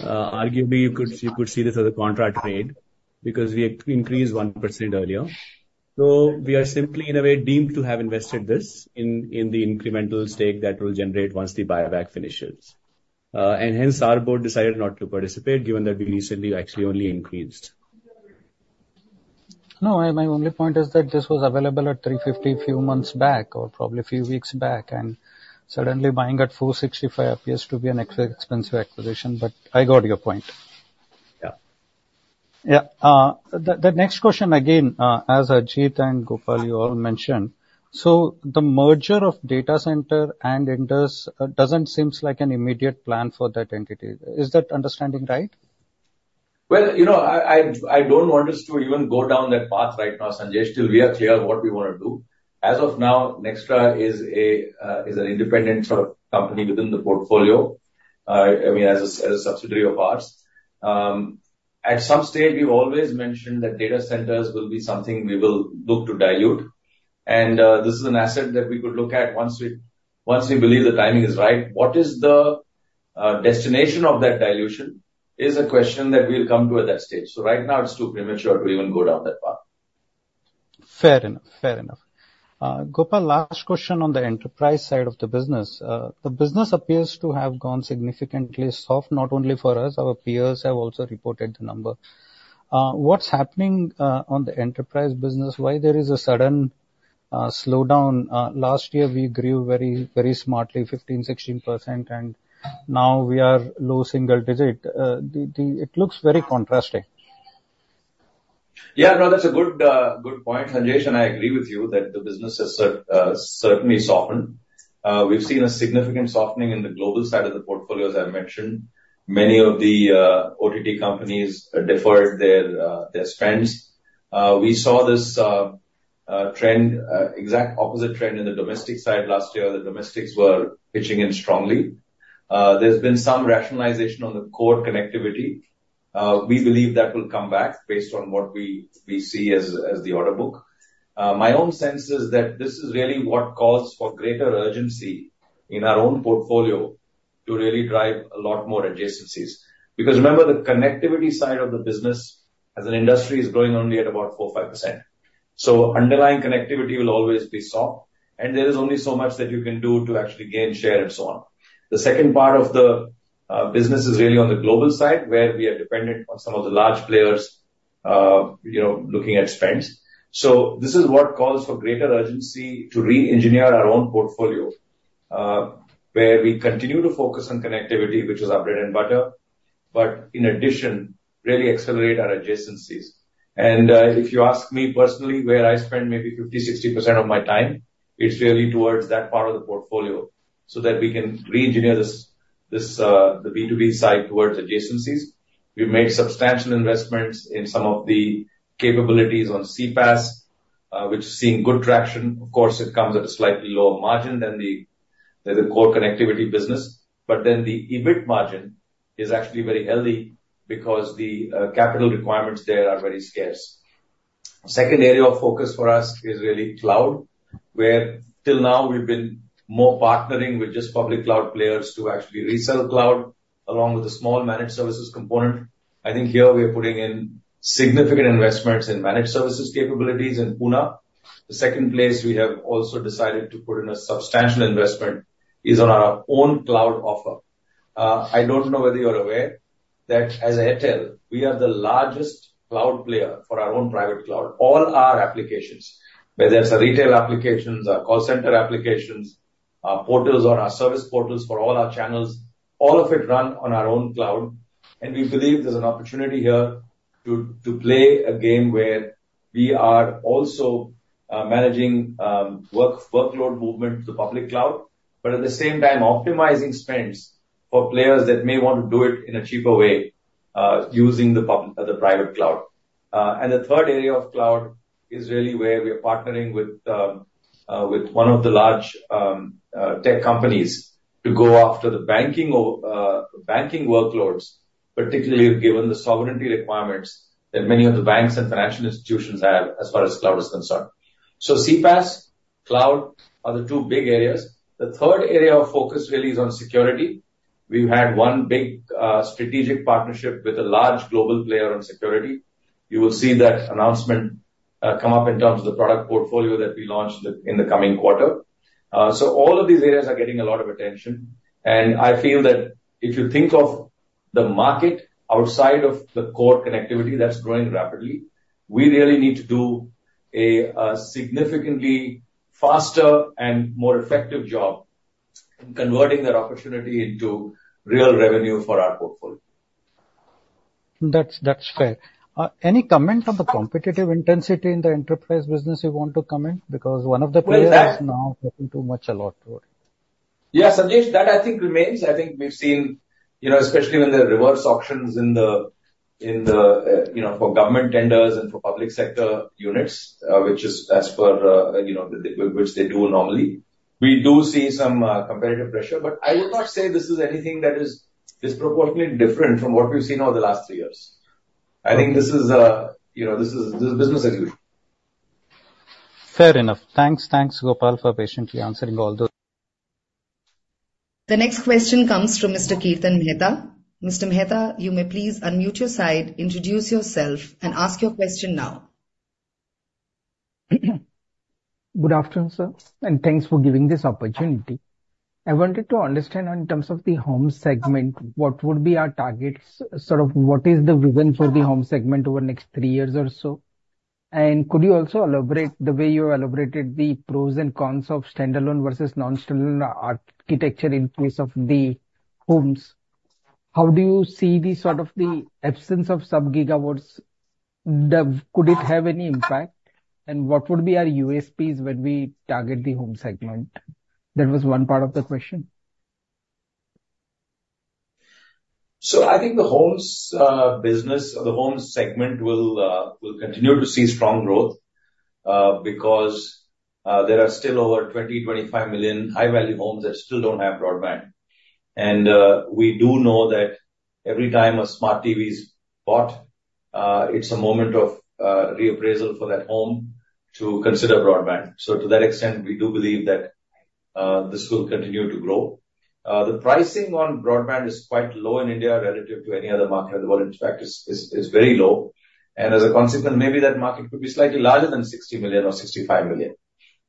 arguably, you could see this as a contract trade, because we increased 1% earlier. So we are simply, in a way, deemed to have invested this in the incremental stake that will generate once the buyback finishes. ... and hence our board decided not to participate, given that we recently actually only increased. No, my, my only point is that this was available at 350 a few months back, or probably a few weeks back, and suddenly buying at 465 appears to be an extra expensive acquisition, but I got your point. Yeah. Yeah, the next question, again, as Ajit and Gopal, you all mentioned, so the merger of data center and Indus doesn't seems like an immediate plan for that entity. Is that understanding right? Well, you know, I don't want us to even go down that path right now, Sanjesh, till we are clear what we wanna do. As of now, Nxtra is an independent sort of company within the portfolio, I mean, as a subsidiary of ours. At some stage, we've always mentioned that data centers will be something we will look to dilute, and this is an asset that we could look at once we believe the timing is right. What is the destination of that dilution is a question that we'll come to at that stage. So right now, it's too premature to even go down that path. Fair enough. Fair enough. Gopal, last question on the enterprise side of the business. The business appears to have gone significantly soft, not only for us, our peers have also reported the number. What's happening on the enterprise business? Why there is a sudden slowdown? Last year we grew very, very smartly, 15, 16%, and now we are low single digit. It looks very contrasting. Yeah, no, that's a good, good point, Sanjesh, and I agree with you that the business has certainly softened. We've seen a significant softening in the global side of the portfolio, as I mentioned. Many of the OTT companies have deferred their spends. We saw this trend, exact opposite trend in the domestic side last year. The domestics were pitching in strongly. There's been some rationalization on the core connectivity. We believe that will come back based on what we see as the order book. My own sense is that this is really what calls for greater urgency in our own portfolio to really drive a lot more adjacencies. Because remember, the connectivity side of the business as an industry is growing only at about 4-5%. So underlying connectivity will always be soft, and there is only so much that you can do to actually gain share and so on. The second part of the business is really on the global side, where we are dependent on some of the large players, you know, looking at spends. So this is what calls for greater urgency to reengineer our own portfolio, where we continue to focus on connectivity, which is our bread and butter, but in addition, really accelerate our adjacencies. And if you ask me personally, where I spend maybe 50%-60% of my time, it's really towards that part of the portfolio, so that we can reengineer this, the B2B side towards adjacencies. We've made substantial investments in some of the capabilities on CPaaS, which is seeing good traction. Of course, it comes at a slightly lower margin than the core connectivity business, but then the EBIT margin is actually very healthy because the capital requirements there are very scarce. Second area of focus for us is really cloud, where till now we've been more partnering with just public cloud players to actually resell cloud, along with a small managed services component. I think here we are putting in significant investments in managed services capabilities in Pune. The second place we have also decided to put in a substantial investment is on our own cloud offer. I don't know whether you're aware that as Airtel, we are the largest cloud player for our own private cloud. All our applications, whether it's our retail applications, our call center applications, our portals or our service portals for all our channels, all of it run on our own cloud. We believe there's an opportunity here to play a game where we are also managing workload movement to the public cloud, but at the same time, optimizing spends for players that may want to do it in a cheaper way using the public, the private cloud. And the third area of cloud is really where we are partnering with with one of the large tech companies to go after the banking or banking workloads, particularly given the sovereignty requirements that many of the banks and financial institutions have as far as cloud is concerned. So CPaaS, cloud are the two big areas. The third area of focus really is on security. We've had one big, strategic partnership with a large global player on security. You will see that announcement come up in terms of the product portfolio that we launch in the coming quarter. So all of these areas are getting a lot of attention, and I feel that if you think of the market outside of the core connectivity that's growing rapidly, we really need to do a significantly faster and more effective job in converting that opportunity into real revenue for our portfolio. That's, that's fair. Any comment on the competitive intensity in the enterprise business you want to comment? Because one of the players- Well, that- is now talking too much a lot about it. Yeah, Sanjesh, that I think remains. I think we've seen, you know, especially when there are reverse auctions in the, in the, you know, for government tenders and for public sector units, which is as per, you know, which they do normally. We do see some competitive pressure, but I would not say this is anything that is disproportionately different from what we've seen over the last three years. I think this is, you know, this is, this is business as usual. Fair enough. Thanks. Thanks, Gopal, for patiently answering all those. The next question comes from Mr. Kirtan Mehta. Mr. Mehta, you may please unmute your side, introduce yourself and ask your question now. Good afternoon, sir, and thanks for giving this opportunity. I wanted to understand in terms of the home segment, what would be our targets? Sort of, what is the vision for the home segment over the next three years or so? And could you also elaborate the way you elaborated the pros and cons of standalone versus non-standalone architecture in case of the homes? How do you see the sort of the absence of sub-gigahertz, the... Could it have any impact? And what would be our USPs when we target the home segment? That was one part of the question. So I think the homes business or the home segment will continue to see strong growth because there are still over 20-25 million high-value homes that still don't have broadband. And we do know that every time a smart TV is bought, it's a moment of reappraisal for that home to consider broadband. So to that extent, we do believe that this will continue to grow. The pricing on broadband is quite low in India relative to any other market in the world. In fact, it's, it's, it's very low. And as a consequence, maybe that market could be slightly larger than 60 million or 65 million.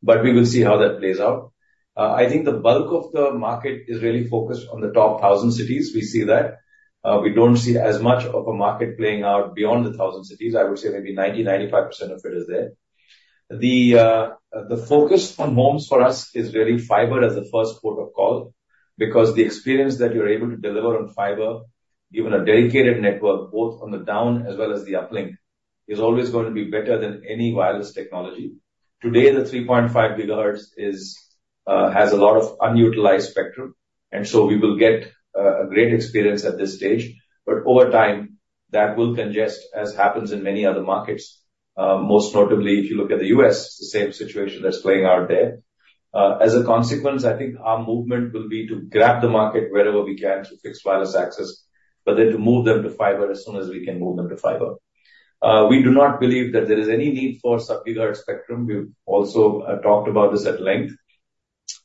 But we will see how that plays out. I think the bulk of the market is really focused on the top 1,000 cities. We see that. We don't see as much of a market playing out beyond the 1,000 cities. I would say maybe 90%-95% of it is there. The focus on homes for us is really fiber as a first port of call, because the experience that you're able to deliver on fiber, given a dedicated network both on the down as well as the uplink, is always going to be better than any wireless technology. Today, the 3.5 GHz has a lot of unutilized spectrum, and so we will get a great experience at this stage. But over time, that will congest, as happens in many other markets. Most notably, if you look at the U.S., the same situation that's playing out there. As a consequence, I think our movement will be to grab the market wherever we can to fix wireless access, but then to move them to fiber as soon as we can move them to fiber. We do not believe that there is any need for sub-gigahertz spectrum. We've also talked about this at length.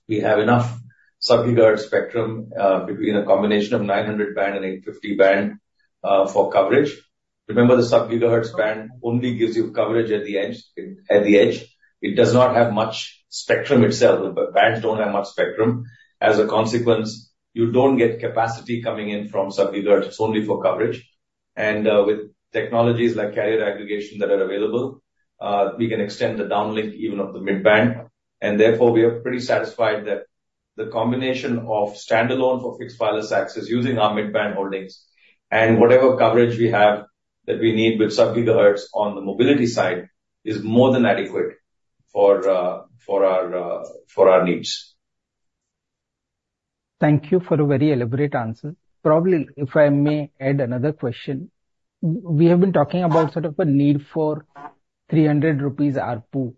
We have enough sub-gigahertz spectrum between a combination of 900 band and 850 band for coverage. Remember, the sub-gigahertz band only gives you coverage at the edge, at the edge. It does not have much spectrum itself. The bands don't have much spectrum. As a consequence, you don't get capacity coming in from sub-gigahertz. It's only for coverage. And with technologies like carrier aggregation that are available, we can extend the downlink even of the mid-band. Therefore, we are pretty satisfied that the combination of standalone for fixed wireless access using our mid-band holdings and whatever coverage we have that we need with sub-gigahertz on the mobility side, is more than adequate for our needs. Thank you for a very elaborate answer. Probably, if I may add another question. We have been talking about sort of a need for 300 rupees ARPU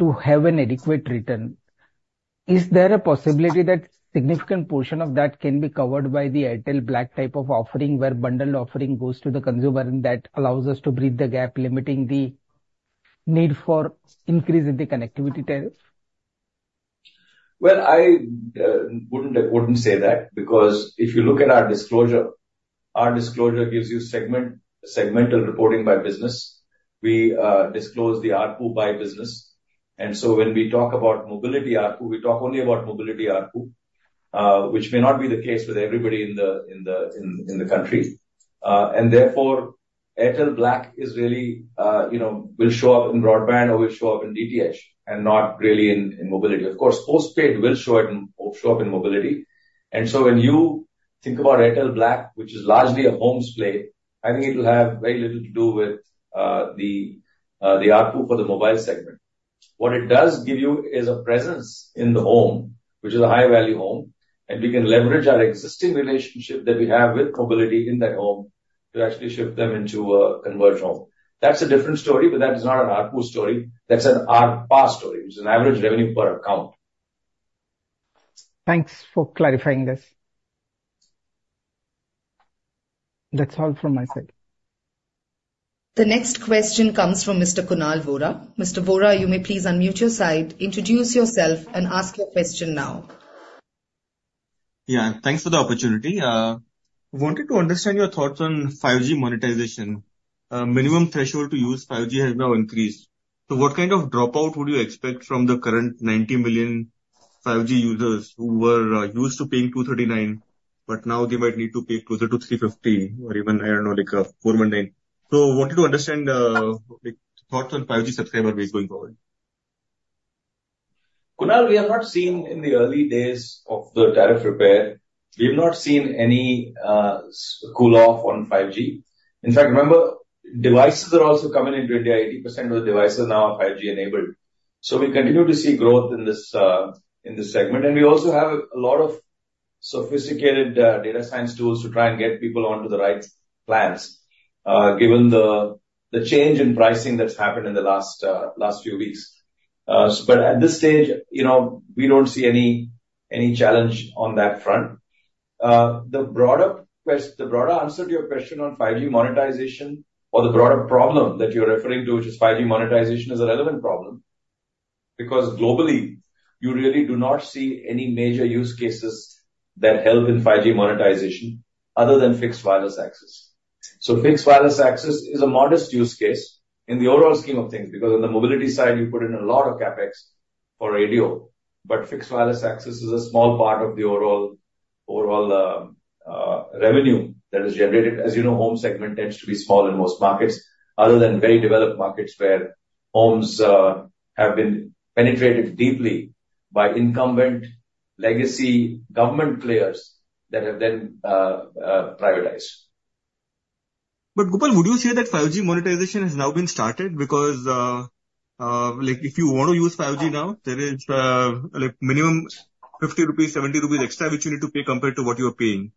to have an adequate return. Is there a possibility that significant portion of that can be covered by the Airtel Black type of offering, where bundled offering goes to the consumer, and that allows us to bridge the gap, limiting the need for increase in the connectivity tariff? Well, I wouldn't say that, because if you look at our disclosure, our disclosure gives you segment, segmental reporting by business. We disclose the ARPU by business, and so when we talk about mobility ARPU, we talk only about mobility ARPU, which may not be the case with everybody in the country. And therefore, Airtel Black is really, you know, will show up in broadband or will show up in DTH and not really in mobility. Of course, postpaid will show up in mobility. And so when you think about Airtel Black, which is largely a homes play, I think it will have very little to do with the ARPU for the mobile segment. What it does give you is a presence in the home, which is a high-value home, and we can leverage our existing relationship that we have with mobility in that home to actually shift them into a converged home. That's a different story, but that is not an ARPU story. That's an ARPA story. It's an average revenue per account. Thanks for clarifying this. That's all from my side. The next question comes from Mr. Kunal Vora. Mr. Vora, you may please unmute your side, introduce yourself, and ask your question now. Yeah, thanks for the opportunity. Wanted to understand your thoughts on 5G monetization. Minimum threshold to use 5G has now increased. So what kind of dropout would you expect from the current 90 million 5G users who were used to paying 239, but now they might need to pay closer to 350 or even, I don't know, like, four hundred and nine? So wanted to understand the thoughts on 5G subscriber base going forward. Kunal, we have not seen in the early days of the tariff repair, we have not seen any cool off on 5G. In fact, remember, devices are also coming into India. 80% of the devices now are 5G-enabled. So we continue to see growth in this segment, and we also have a lot of sophisticated data science tools to try and get people onto the right plans, given the change in pricing that's happened in the last few weeks. But at this stage, you know, we don't see any challenge on that front. The broader answer to your question on 5G monetization or the broader problem that you're referring to, which is 5G monetization, is a relevant problem.... Because globally, you really do not see any major use cases that help in 5G monetization other than fixed wireless access. So fixed wireless access is a modest use case in the overall scheme of things, because on the mobility side, you put in a lot of CapEx for radio, but fixed wireless access is a small part of the overall revenue that is generated. As you know, home segment tends to be small in most markets, other than very developed markets where homes fiberized. But Gopal, would you say that 5G monetization has now been started? Because, like, if you want to use 5G now, there is, like minimum 50 rupees, 70 rupees extra, which you need to pay compared to what you are paying.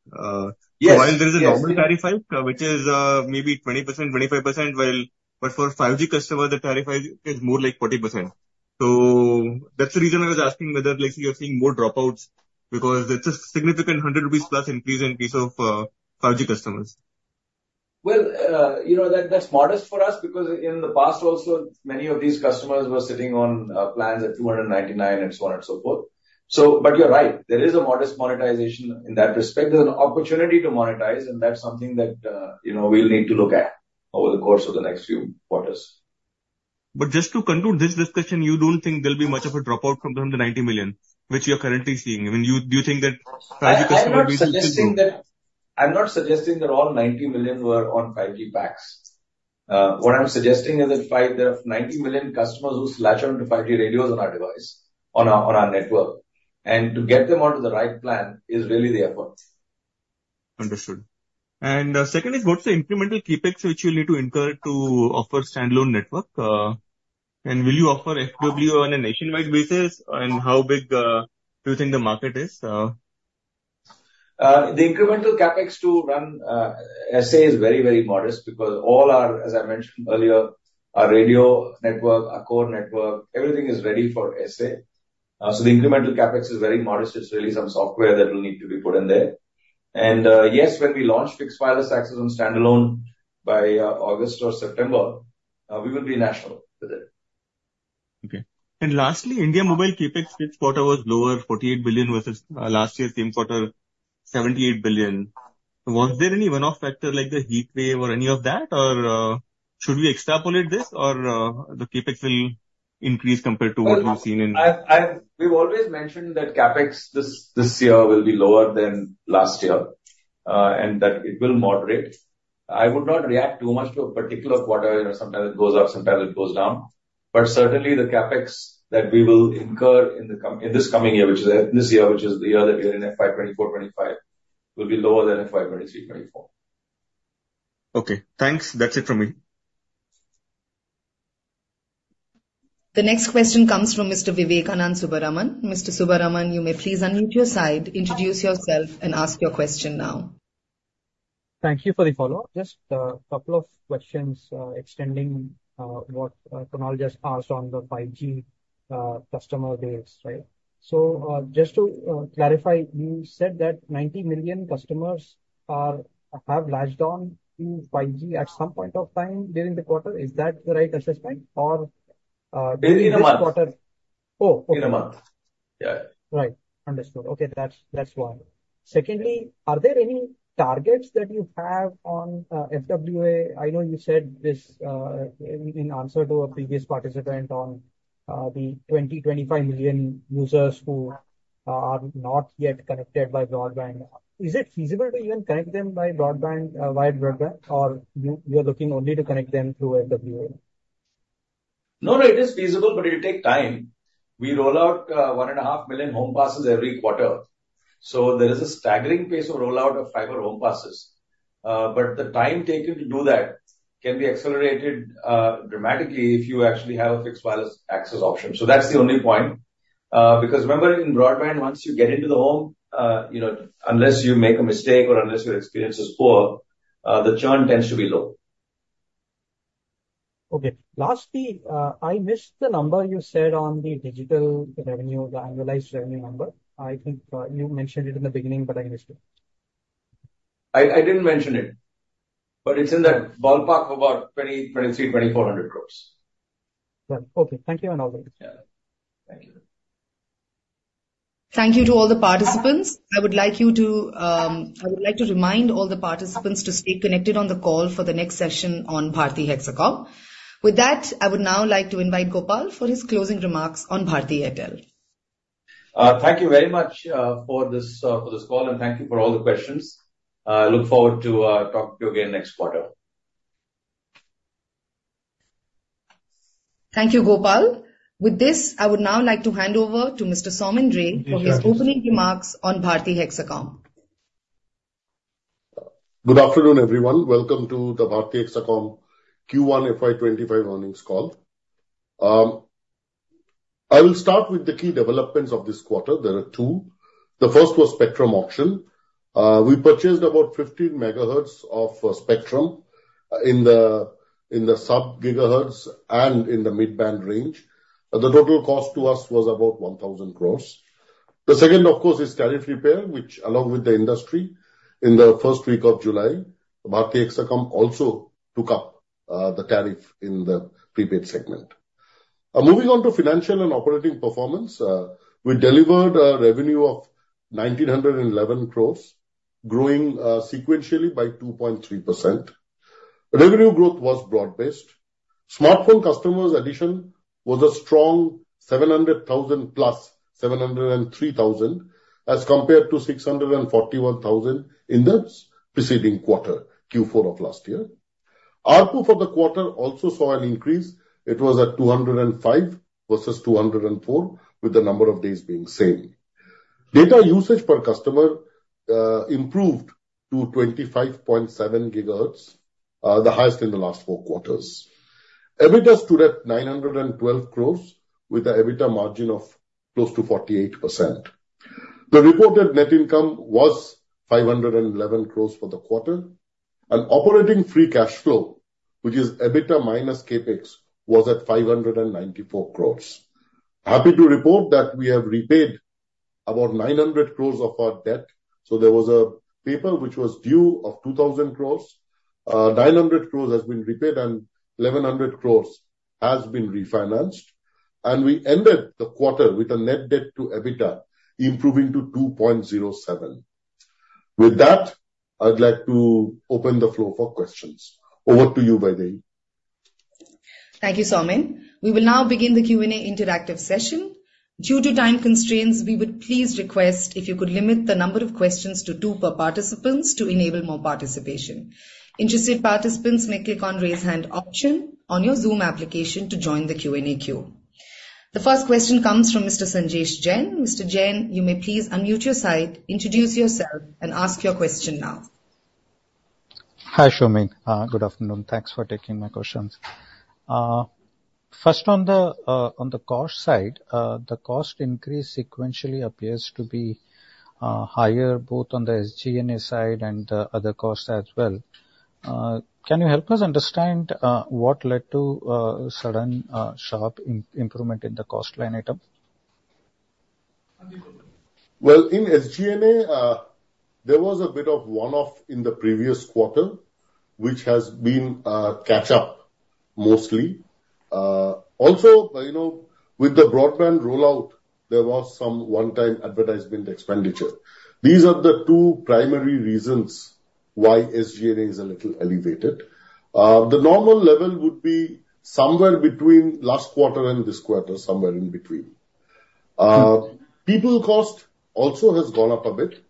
Yes. While there is a normal tariff hike, which is, maybe 20%, 25%, but for 5G customer, the tariff hike is more like 40%. So that's the reason I was asking whether, like, you are seeing more dropouts, because it's a significant 100+ rupees increase in case of 5G customers. Well, you know, that, that's modest for us, because in the past also, many of these customers were sitting on plans at 299, and so on and so forth. So but you're right, there is a modest monetization in that respect. There's an opportunity to monetize, and that's something that, you know, we'll need to look at over the course of the next few quarters. But just to conclude this discussion, you don't think there'll be much of a dropout from the 90 million, which you're currently seeing. I mean, you, do you think that 5G customers will be stickgng? I'm not suggesting that, I'm not suggesting that all 90 million were on 5G packs. What I'm suggesting is that five, the 90 million customers who latch on to 5G radios on our device, on our, on our network, and to get them onto the right plan is really the effort. Understood. And, second is, what's the incremental CapEx which you'll need to incur to offer standalone network? And will you offer FWA on a nationwide basis, and how big, do you think the market is? The incremental CapEx to run SA is very, very modest, because all our, as I mentioned earlier, our radio network, our core network, everything is ready for SA. So the incremental CapEx is very modest. It's really some software that will need to be put in there. And, yes, when we launch fixed wireless access on standalone by August or September, we will be national with it. Okay. And lastly, India mobile CapEx this quarter was lower, 48 billion, versus last year's same quarter, 78 billion. Was there any one-off factor like the heatwave or any of that? Or should we extrapolate this, or the CapEx will increase compared to what we've seen in- Well, I've—we've always mentioned that CapEx this year will be lower than last year, and that it will moderate. I would not react too much to a particular quarter. You know, sometimes it goes up, sometimes it goes down. But certainly, the CapEx that we will incur in this coming year, which is this year, which is the year that we are in FY 24-25, will be lower than FY 23-24. Okay, thanks. That's it from me. The next question comes from Mr. Vivekananda Subbaraman. Mr. Subbaraman, you may please unmute your side, introduce yourself and ask your question now. Thank you for the follow-up. Just a couple of questions, extending what Kunal just asked on the 5G customer base, right? So, just to clarify, you said that 90 million customers are, have latched on to 5G at some point of time during the quarter. Is that the right assessment? Or, during this quarter- During the month. Oh, okay. In a month. Yeah. Right. Understood. Okay, that's one. Secondly, are there any targets that you have on FWA? I know you said this in answer to a previous participant on the 25 million users who are not yet connected by broadband. Is it feasible to even connect them by broadband via broadband, or you are looking only to connect them through FWA? No, no, it is feasible, but it'll take time. We roll out 1.5 million home passes every quarter. So there is a staggering pace of rollout of fiber home passes. But the time taken to do that can be accelerated dramatically, if you actually have a fixed wireless access option. So that's the only point. Because remember, in broadband, once you get into the home, you know, unless you make a mistake or unless your experience is poor, the churn tends to be low. Okay. Lastly, I missed the number you said on the digital revenue, the annualized revenue number. I think, you mentioned it in the beginning, but I missed it. I didn't mention it, but it's in that ballpark of about 2,300-2,400 crores. Yeah. Okay. Thank you, and all the best. Yeah. Thank you. Thank you to all the participants. I would like you to, I would like to remind all the participants to stay connected on the call for the next session on Bharti Hexacom. With that, I would now like to invite Gopal for his closing remarks on Bharti Airtel. Thank you very much for this call, and thank you for all the questions. Look forward to talking to you again next quarter. Thank you, Gopal. With this, I would now like to hand over to Mr. Soumen Ray. Yes. For his opening remarks on Bharti Hexacom. Good afternoon, everyone. Welcome to the Bharti Hexacom Q1 FY 2025 earnings call. I will start with the key developments of this quarter. There are two. The first was spectrum auction. We purchased about 15 MHz of spectrum in the sub-gigahertz and in the mid-band range. The total cost to us was about 1,000 crore. The second, of course, is tariff repair, which along with the industry in the first week of July, Bharti Hexacom also took up the tariff in the prepaid segment. Moving on to financial and operating performance, we delivered a revenue of 1,911 crore, growing sequentially by 2.3%. Revenue growth was broad-based. Smartphone customers addition was a strong 700,000+, 703,000, as compared to 641,000 in the preceding quarter, Q4 of last year. ARPU for the quarter also saw an increase. It was at 205 versus 204, with the number of days being same. Data usage per customer improved to 25.7 gigabytes, the highest in the last four quarters. EBITDA stood at 912 crore, with a EBITDA margin of close to 48%. The reported net income was 511 crore for the quarter, and operating free cash flow, which is EBITDA minus CapEx, was at 594 crore. Happy to report that we have repaid about 900 crore of our debt. So there was a paper which was due of 2,000 crore. 900 crore has been repaid and 1,100 crore has been refinanced, and we ended the quarter with a net debt to EBITDA, improving to 2.07. With that, I'd like to open the floor for questions. Over to you, Vaidehi. Thank you, Soumen. We will now begin the Q&A interactive session. Due to time constraints, we would please request if you could limit the number of questions to two per participants to enable more participation. Interested participants may click on raise hand option on your Zoom application to join the Q&A queue. The first question comes from Mr. Sanjesh Jain. Mr. Jain, you may please unmute your side, introduce yourself, and ask your question now. Hi, Soumen. Good afternoon. Thanks for taking my questions. First on the cost side, the cost increase sequentially appears to be higher, both on the SG&A side and the other costs as well. Can you help us understand what led to sudden sharp improvement in the cost line item? Well, in SG&A, there was a bit of one-off in the previous quarter, which has been catch up mostly. Also, you know, with the broadband rollout, there was some one-time advertisement expenditure. These are the two primary reasons why SG&A is a little elevated. The normal level would be somewhere between last quarter and this quarter, somewhere in between. People cost also has gone up a bit,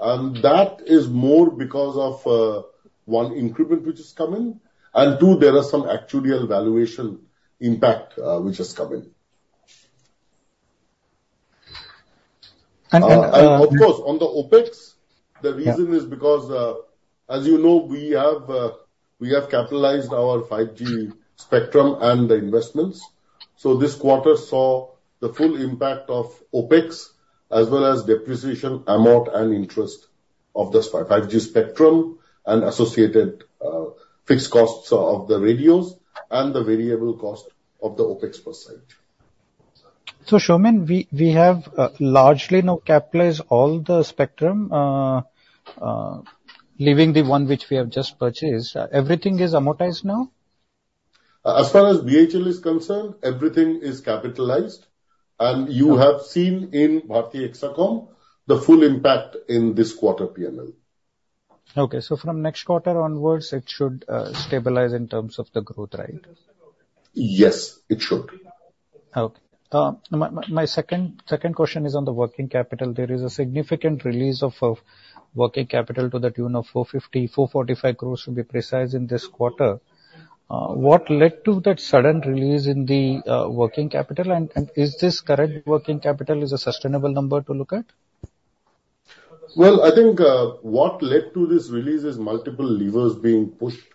and that is more because of one, increment, which is coming, and two, there are some actuarial valuation impact, which is coming. And, and, uh- And of course, on the OpEx, the reason is because, as you know, we have, we have capitalized our 5G spectrum and the investments. So this quarter saw the full impact of OpEx as well as depreciation, amort, and interest of this 5G spectrum and associated, fixed costs of the radios and the variable cost of the OpEx per se. So, Soumen, we have largely now capitalized all the spectrum, leaving the one which we have just purchased. Everything is amortized now? As far as BHL is concerned, everything is capitalized, and you have seen in Bharti Hexacom, the full impact in this quarter PNL. Okay. So from next quarter onwards, it should stabilize in terms of the growth, right? Yes, it should. Okay. My second question is on the working capital. There is a significant release of working capital to the tune of 450, 445 crores, to be precise, in this quarter. What led to that sudden release in the working capital, and is this current working capital a sustainable number to look at? Well, I think, what led to this release is multiple levers being pushed,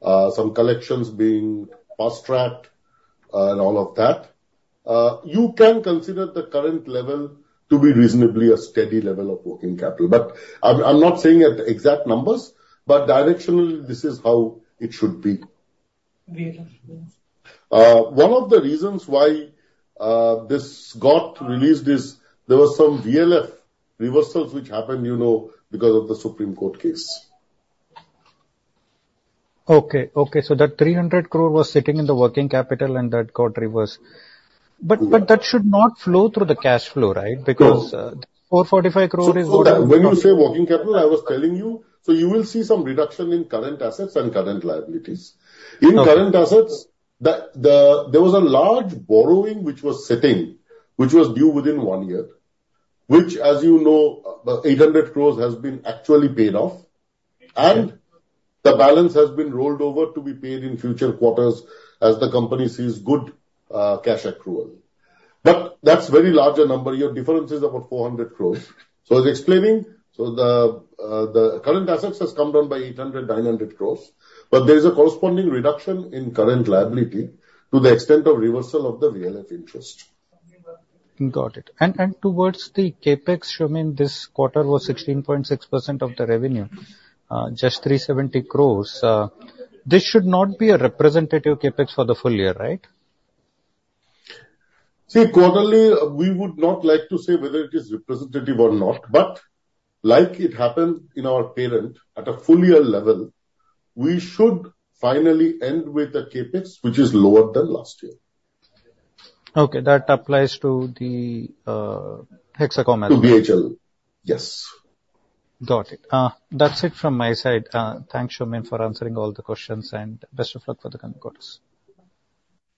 some collections being fast-tracked, and all of that. You can consider the current level to be reasonably a steady level of working capital, but I'm, I'm not saying at the exact numbers, but directionally, this is how it should be. Great. One of the reasons why this got released is there was some VLF reversals which happened, you know, because of the Supreme Court case. Okay. Okay, so that 300 crore was sitting in the working capital and that got reversed. But, but that should not flow through the cash flow, right? No. Because, 445 crore is what- When you say working capital, I was telling you, so you will see some reduction in current assets and current liabilities. Okay. In current assets, the there was a large borrowing which was sitting, which was due within one year, which, as you know, 800 crore has been actually paid off, and the balance has been rolled over to be paid in future quarters as the company sees good cash accrual. But that's very larger number. Your difference is about 400 crore. So as explaining, the current assets has come down by 800-900 crore, but there is a corresponding reduction in current liability to the extent of reversal of the VILF interest. Got it. And, and towards the CapEx, Soumen, this quarter was 16.6% of the revenue, just 370 crore. This should not be a representative CapEx for the full year, right? See, quarterly, we would not like to say whether it is representative or not, but like it happened in our parent at a full year level, we should finally end with a CapEx which is lower than last year. Okay, that applies to the Hexacom as well. To BHL. Yes. Got it. That's it from my side. Thanks, Soumen, for answering all the questions, and best of luck for the coming quarters.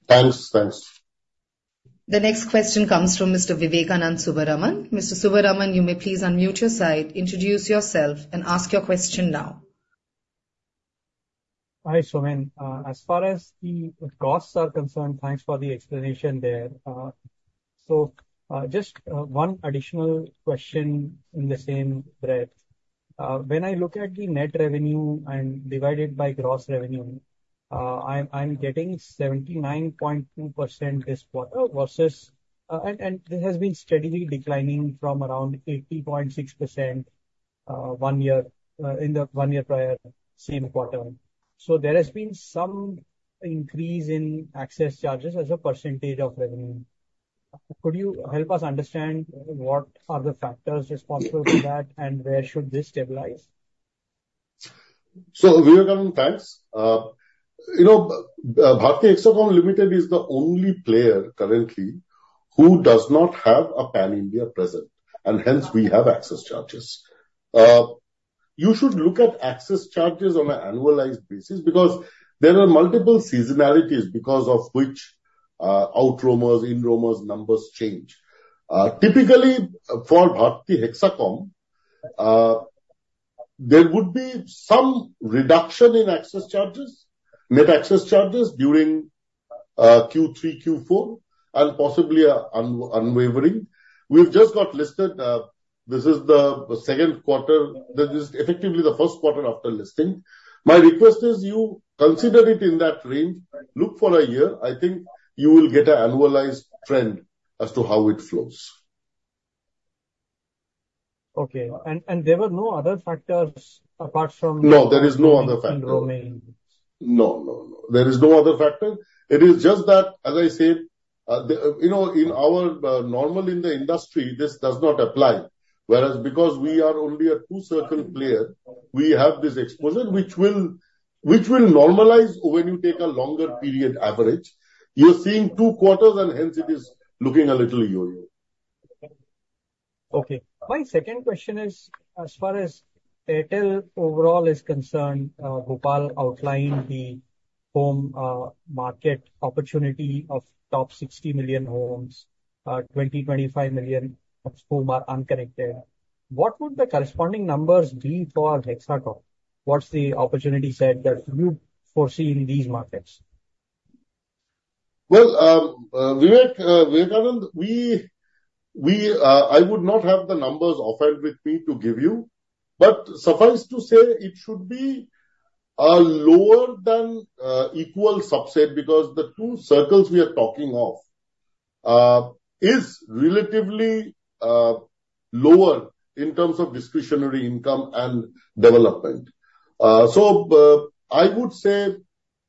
Thanks. Thanks. The next question comes from Mr. Vivekananda Subbaraman. Mr. Subbaraman, you may please unmute your side, introduce yourself, and ask your question now. Hi, Soumen. As far as the costs are concerned, thanks for the explanation there. So, just one additional question in the same breath. When I look at the net revenue and divide it by gross revenue, I'm getting 79.2% this quarter versus, and this has been steadily declining from around 80.6%, one year in the one year prior same quarter. So there has been some increase in access charges as a percentage of revenue. Could you help us understand what are the factors responsible for that, and where should this stabilize? So Vivekananda, thanks. You know, Bharti Hexacom Limited is the only player currently who does not have a Pan-India presence, and hence we have access charges. You should look at access charges on an annualized basis because there are multiple seasonalities because of which out roamers, in roamers, numbers change. Typically, for Bharti Hexacom, there would be some reduction in access charges, net access charges, during Q3, Q4, and possibly Q1. We've just got listed. This is the second quarter. This is effectively the first quarter after listing. My request is you consider it in that range. Look for a year. I think you will get an annualized trend as to how it flows. Okay. And there were no other factors apart from- No, there is no other factor. In-roming. No, no, no. There is no other factor. It is just that, as I said, you know, in our normal in the industry, this does not apply. Whereas because we are only a two-circle player, we have this exposure, which will normalize when you take a longer period average. You're seeing two quarters, and hence it is looking a little yo-yo. Okay. My second question is, as far as Airtel overall is concerned, Gopal outlined the home market opportunity of top 60 million homes, 25 million of whom are unconnected. What would the corresponding numbers be for Hexacom? What's the opportunity set that you foresee in these markets? Well, Vivek, Vivekananda, we, I would not have the numbers offhand with me to give you, but suffice to say, it should be a lower than equal subset, because the two circles we are talking of is relatively lower in terms of discretionary income and development. So, I would say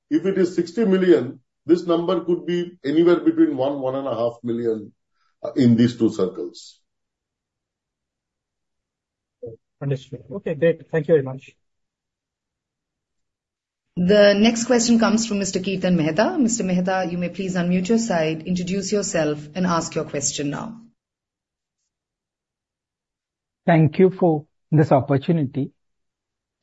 if it is 60 million, this number could be anywhere between 1 and 1.5 million in these two circles. Understood. Okay, great. Thank you very much. The next question comes from Mr. Kirtan Mehta. Mr. Mehta, you may please unmute your side, introduce yourself, and ask your question now. Thank you for this opportunity.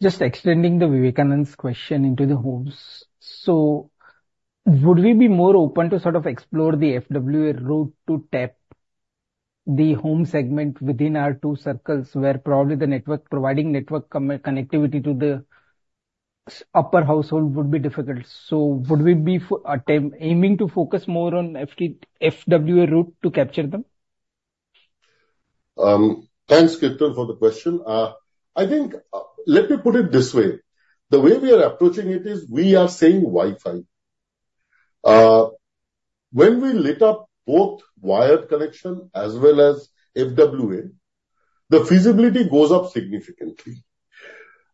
Just extending the Vivekananda's question into the homes. So would we be more open to sort of explore the FWA route to tap the home segment within our two circles, where probably the network, providing network connectivity to the outerhousehold would be difficult? So would we be aiming to focus more on FT, FWA route to capture them? Thanks, Kirtan, for the question. I think, let me put it this way. The way we are approaching it is we are saying Wi-Fi. When we lit up both wired connection as well as FWA, the feasibility goes up significantly.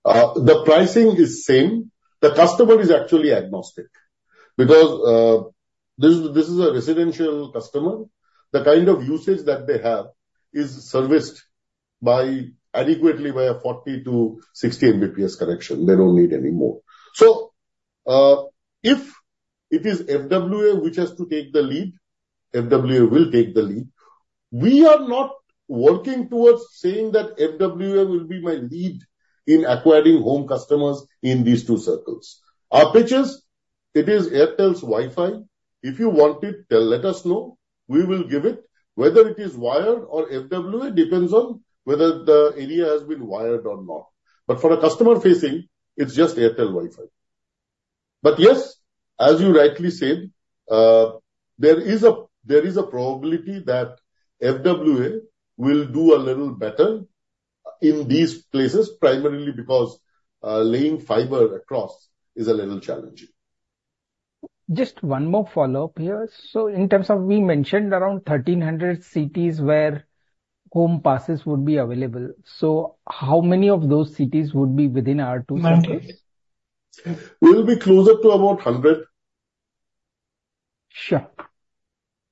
The pricing is same. The customer is actually agnostic because, this is a residential customer. The kind of usage that they have is serviced adequately by a 40-60 Mbps connection. They don't need any more. So, if it is FWA which has to take the lead, FWA will take the lead. We are not working towards saying that FWA will be my lead in acquiring home customers in these two circles. Our pitch is, it is Airtel's Wi-Fi. If you want it, tell, let us know, we will give it. Whether it is wired or FWA, depends on whether the area has been wired or not. But for a customer facing, it's just Airtel Wi-Fi. But yes, as you rightly said, there is a probability that FWA will do a little better in these places, primarily because laying fiber across is a little challenging.... Just one more follow-up here. So in terms of, we mentioned around 1,300 cities where home passes would be available. So how many of those cities would be within our 2 centers? We will be closer to about 100. Sure.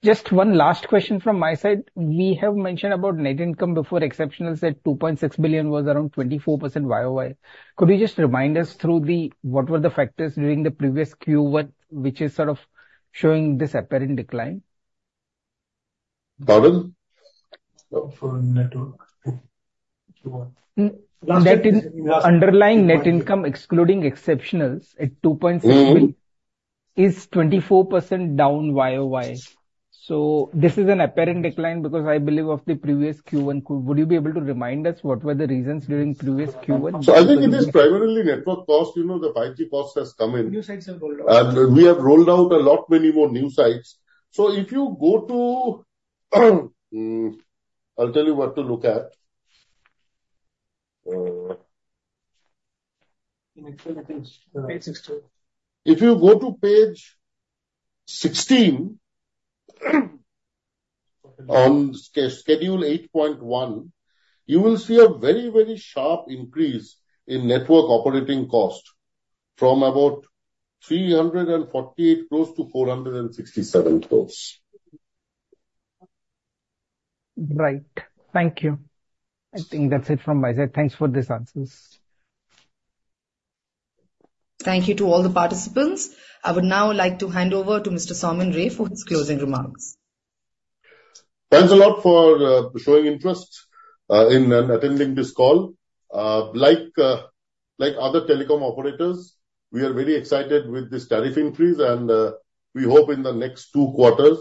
Just one last question from my side. We have mentioned about net income before, exceptional, said 2.6 billion was around 24% YOY. Could you just remind us through the, what were the factors during the previous Q1, which is sort of showing this apparent decline? Pardon? For network. Net in, underlying net income, excluding exceptionals at 2.6 billion- Mm-hmm. is 24% down YOY. So this is an apparent decline because I believe of the previous Q1. Would you be able to remind us what were the reasons during previous Q1? I think it is primarily network cost. You know, the 5G cost has come in. New sites have rolled out. We have rolled out a lot, many more new sites. So if you go to, I'll tell you what to look at. Page sixteen. If you go to page 16, on Schedule 8.1, you will see a very, very sharp increase in network operating cost from about 348 crores to 467 crores. Right. Thank you. I think that's it from my side. Thanks for these answers. Thank you to all the participants. I would now like to hand over to Mr. Soumen Ray for his closing remarks. Thanks a lot for showing interest in and attending this call. Like other telecom operators, we are very excited with this tariff increase, and we hope in the next two quarters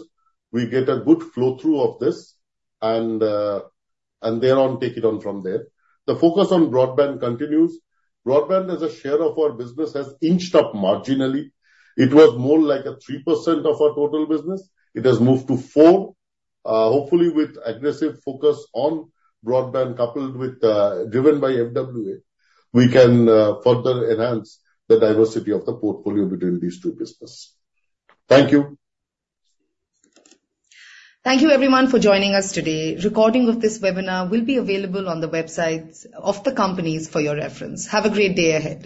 we get a good flow through of this and thereon, take it on from there. The focus on broadband continues. Broadband as a share of our business has inched up marginally. It was more like a 3% of our total business. It has moved to 4%. Hopefully, with aggressive focus on broadband, coupled with driven by FWA, we can further enhance the diversity of the portfolio between these two business. Thank you. Thank you everyone for joining us today. Recording of this webinar will be available on the websites of the companies for your reference. Have a great day ahead.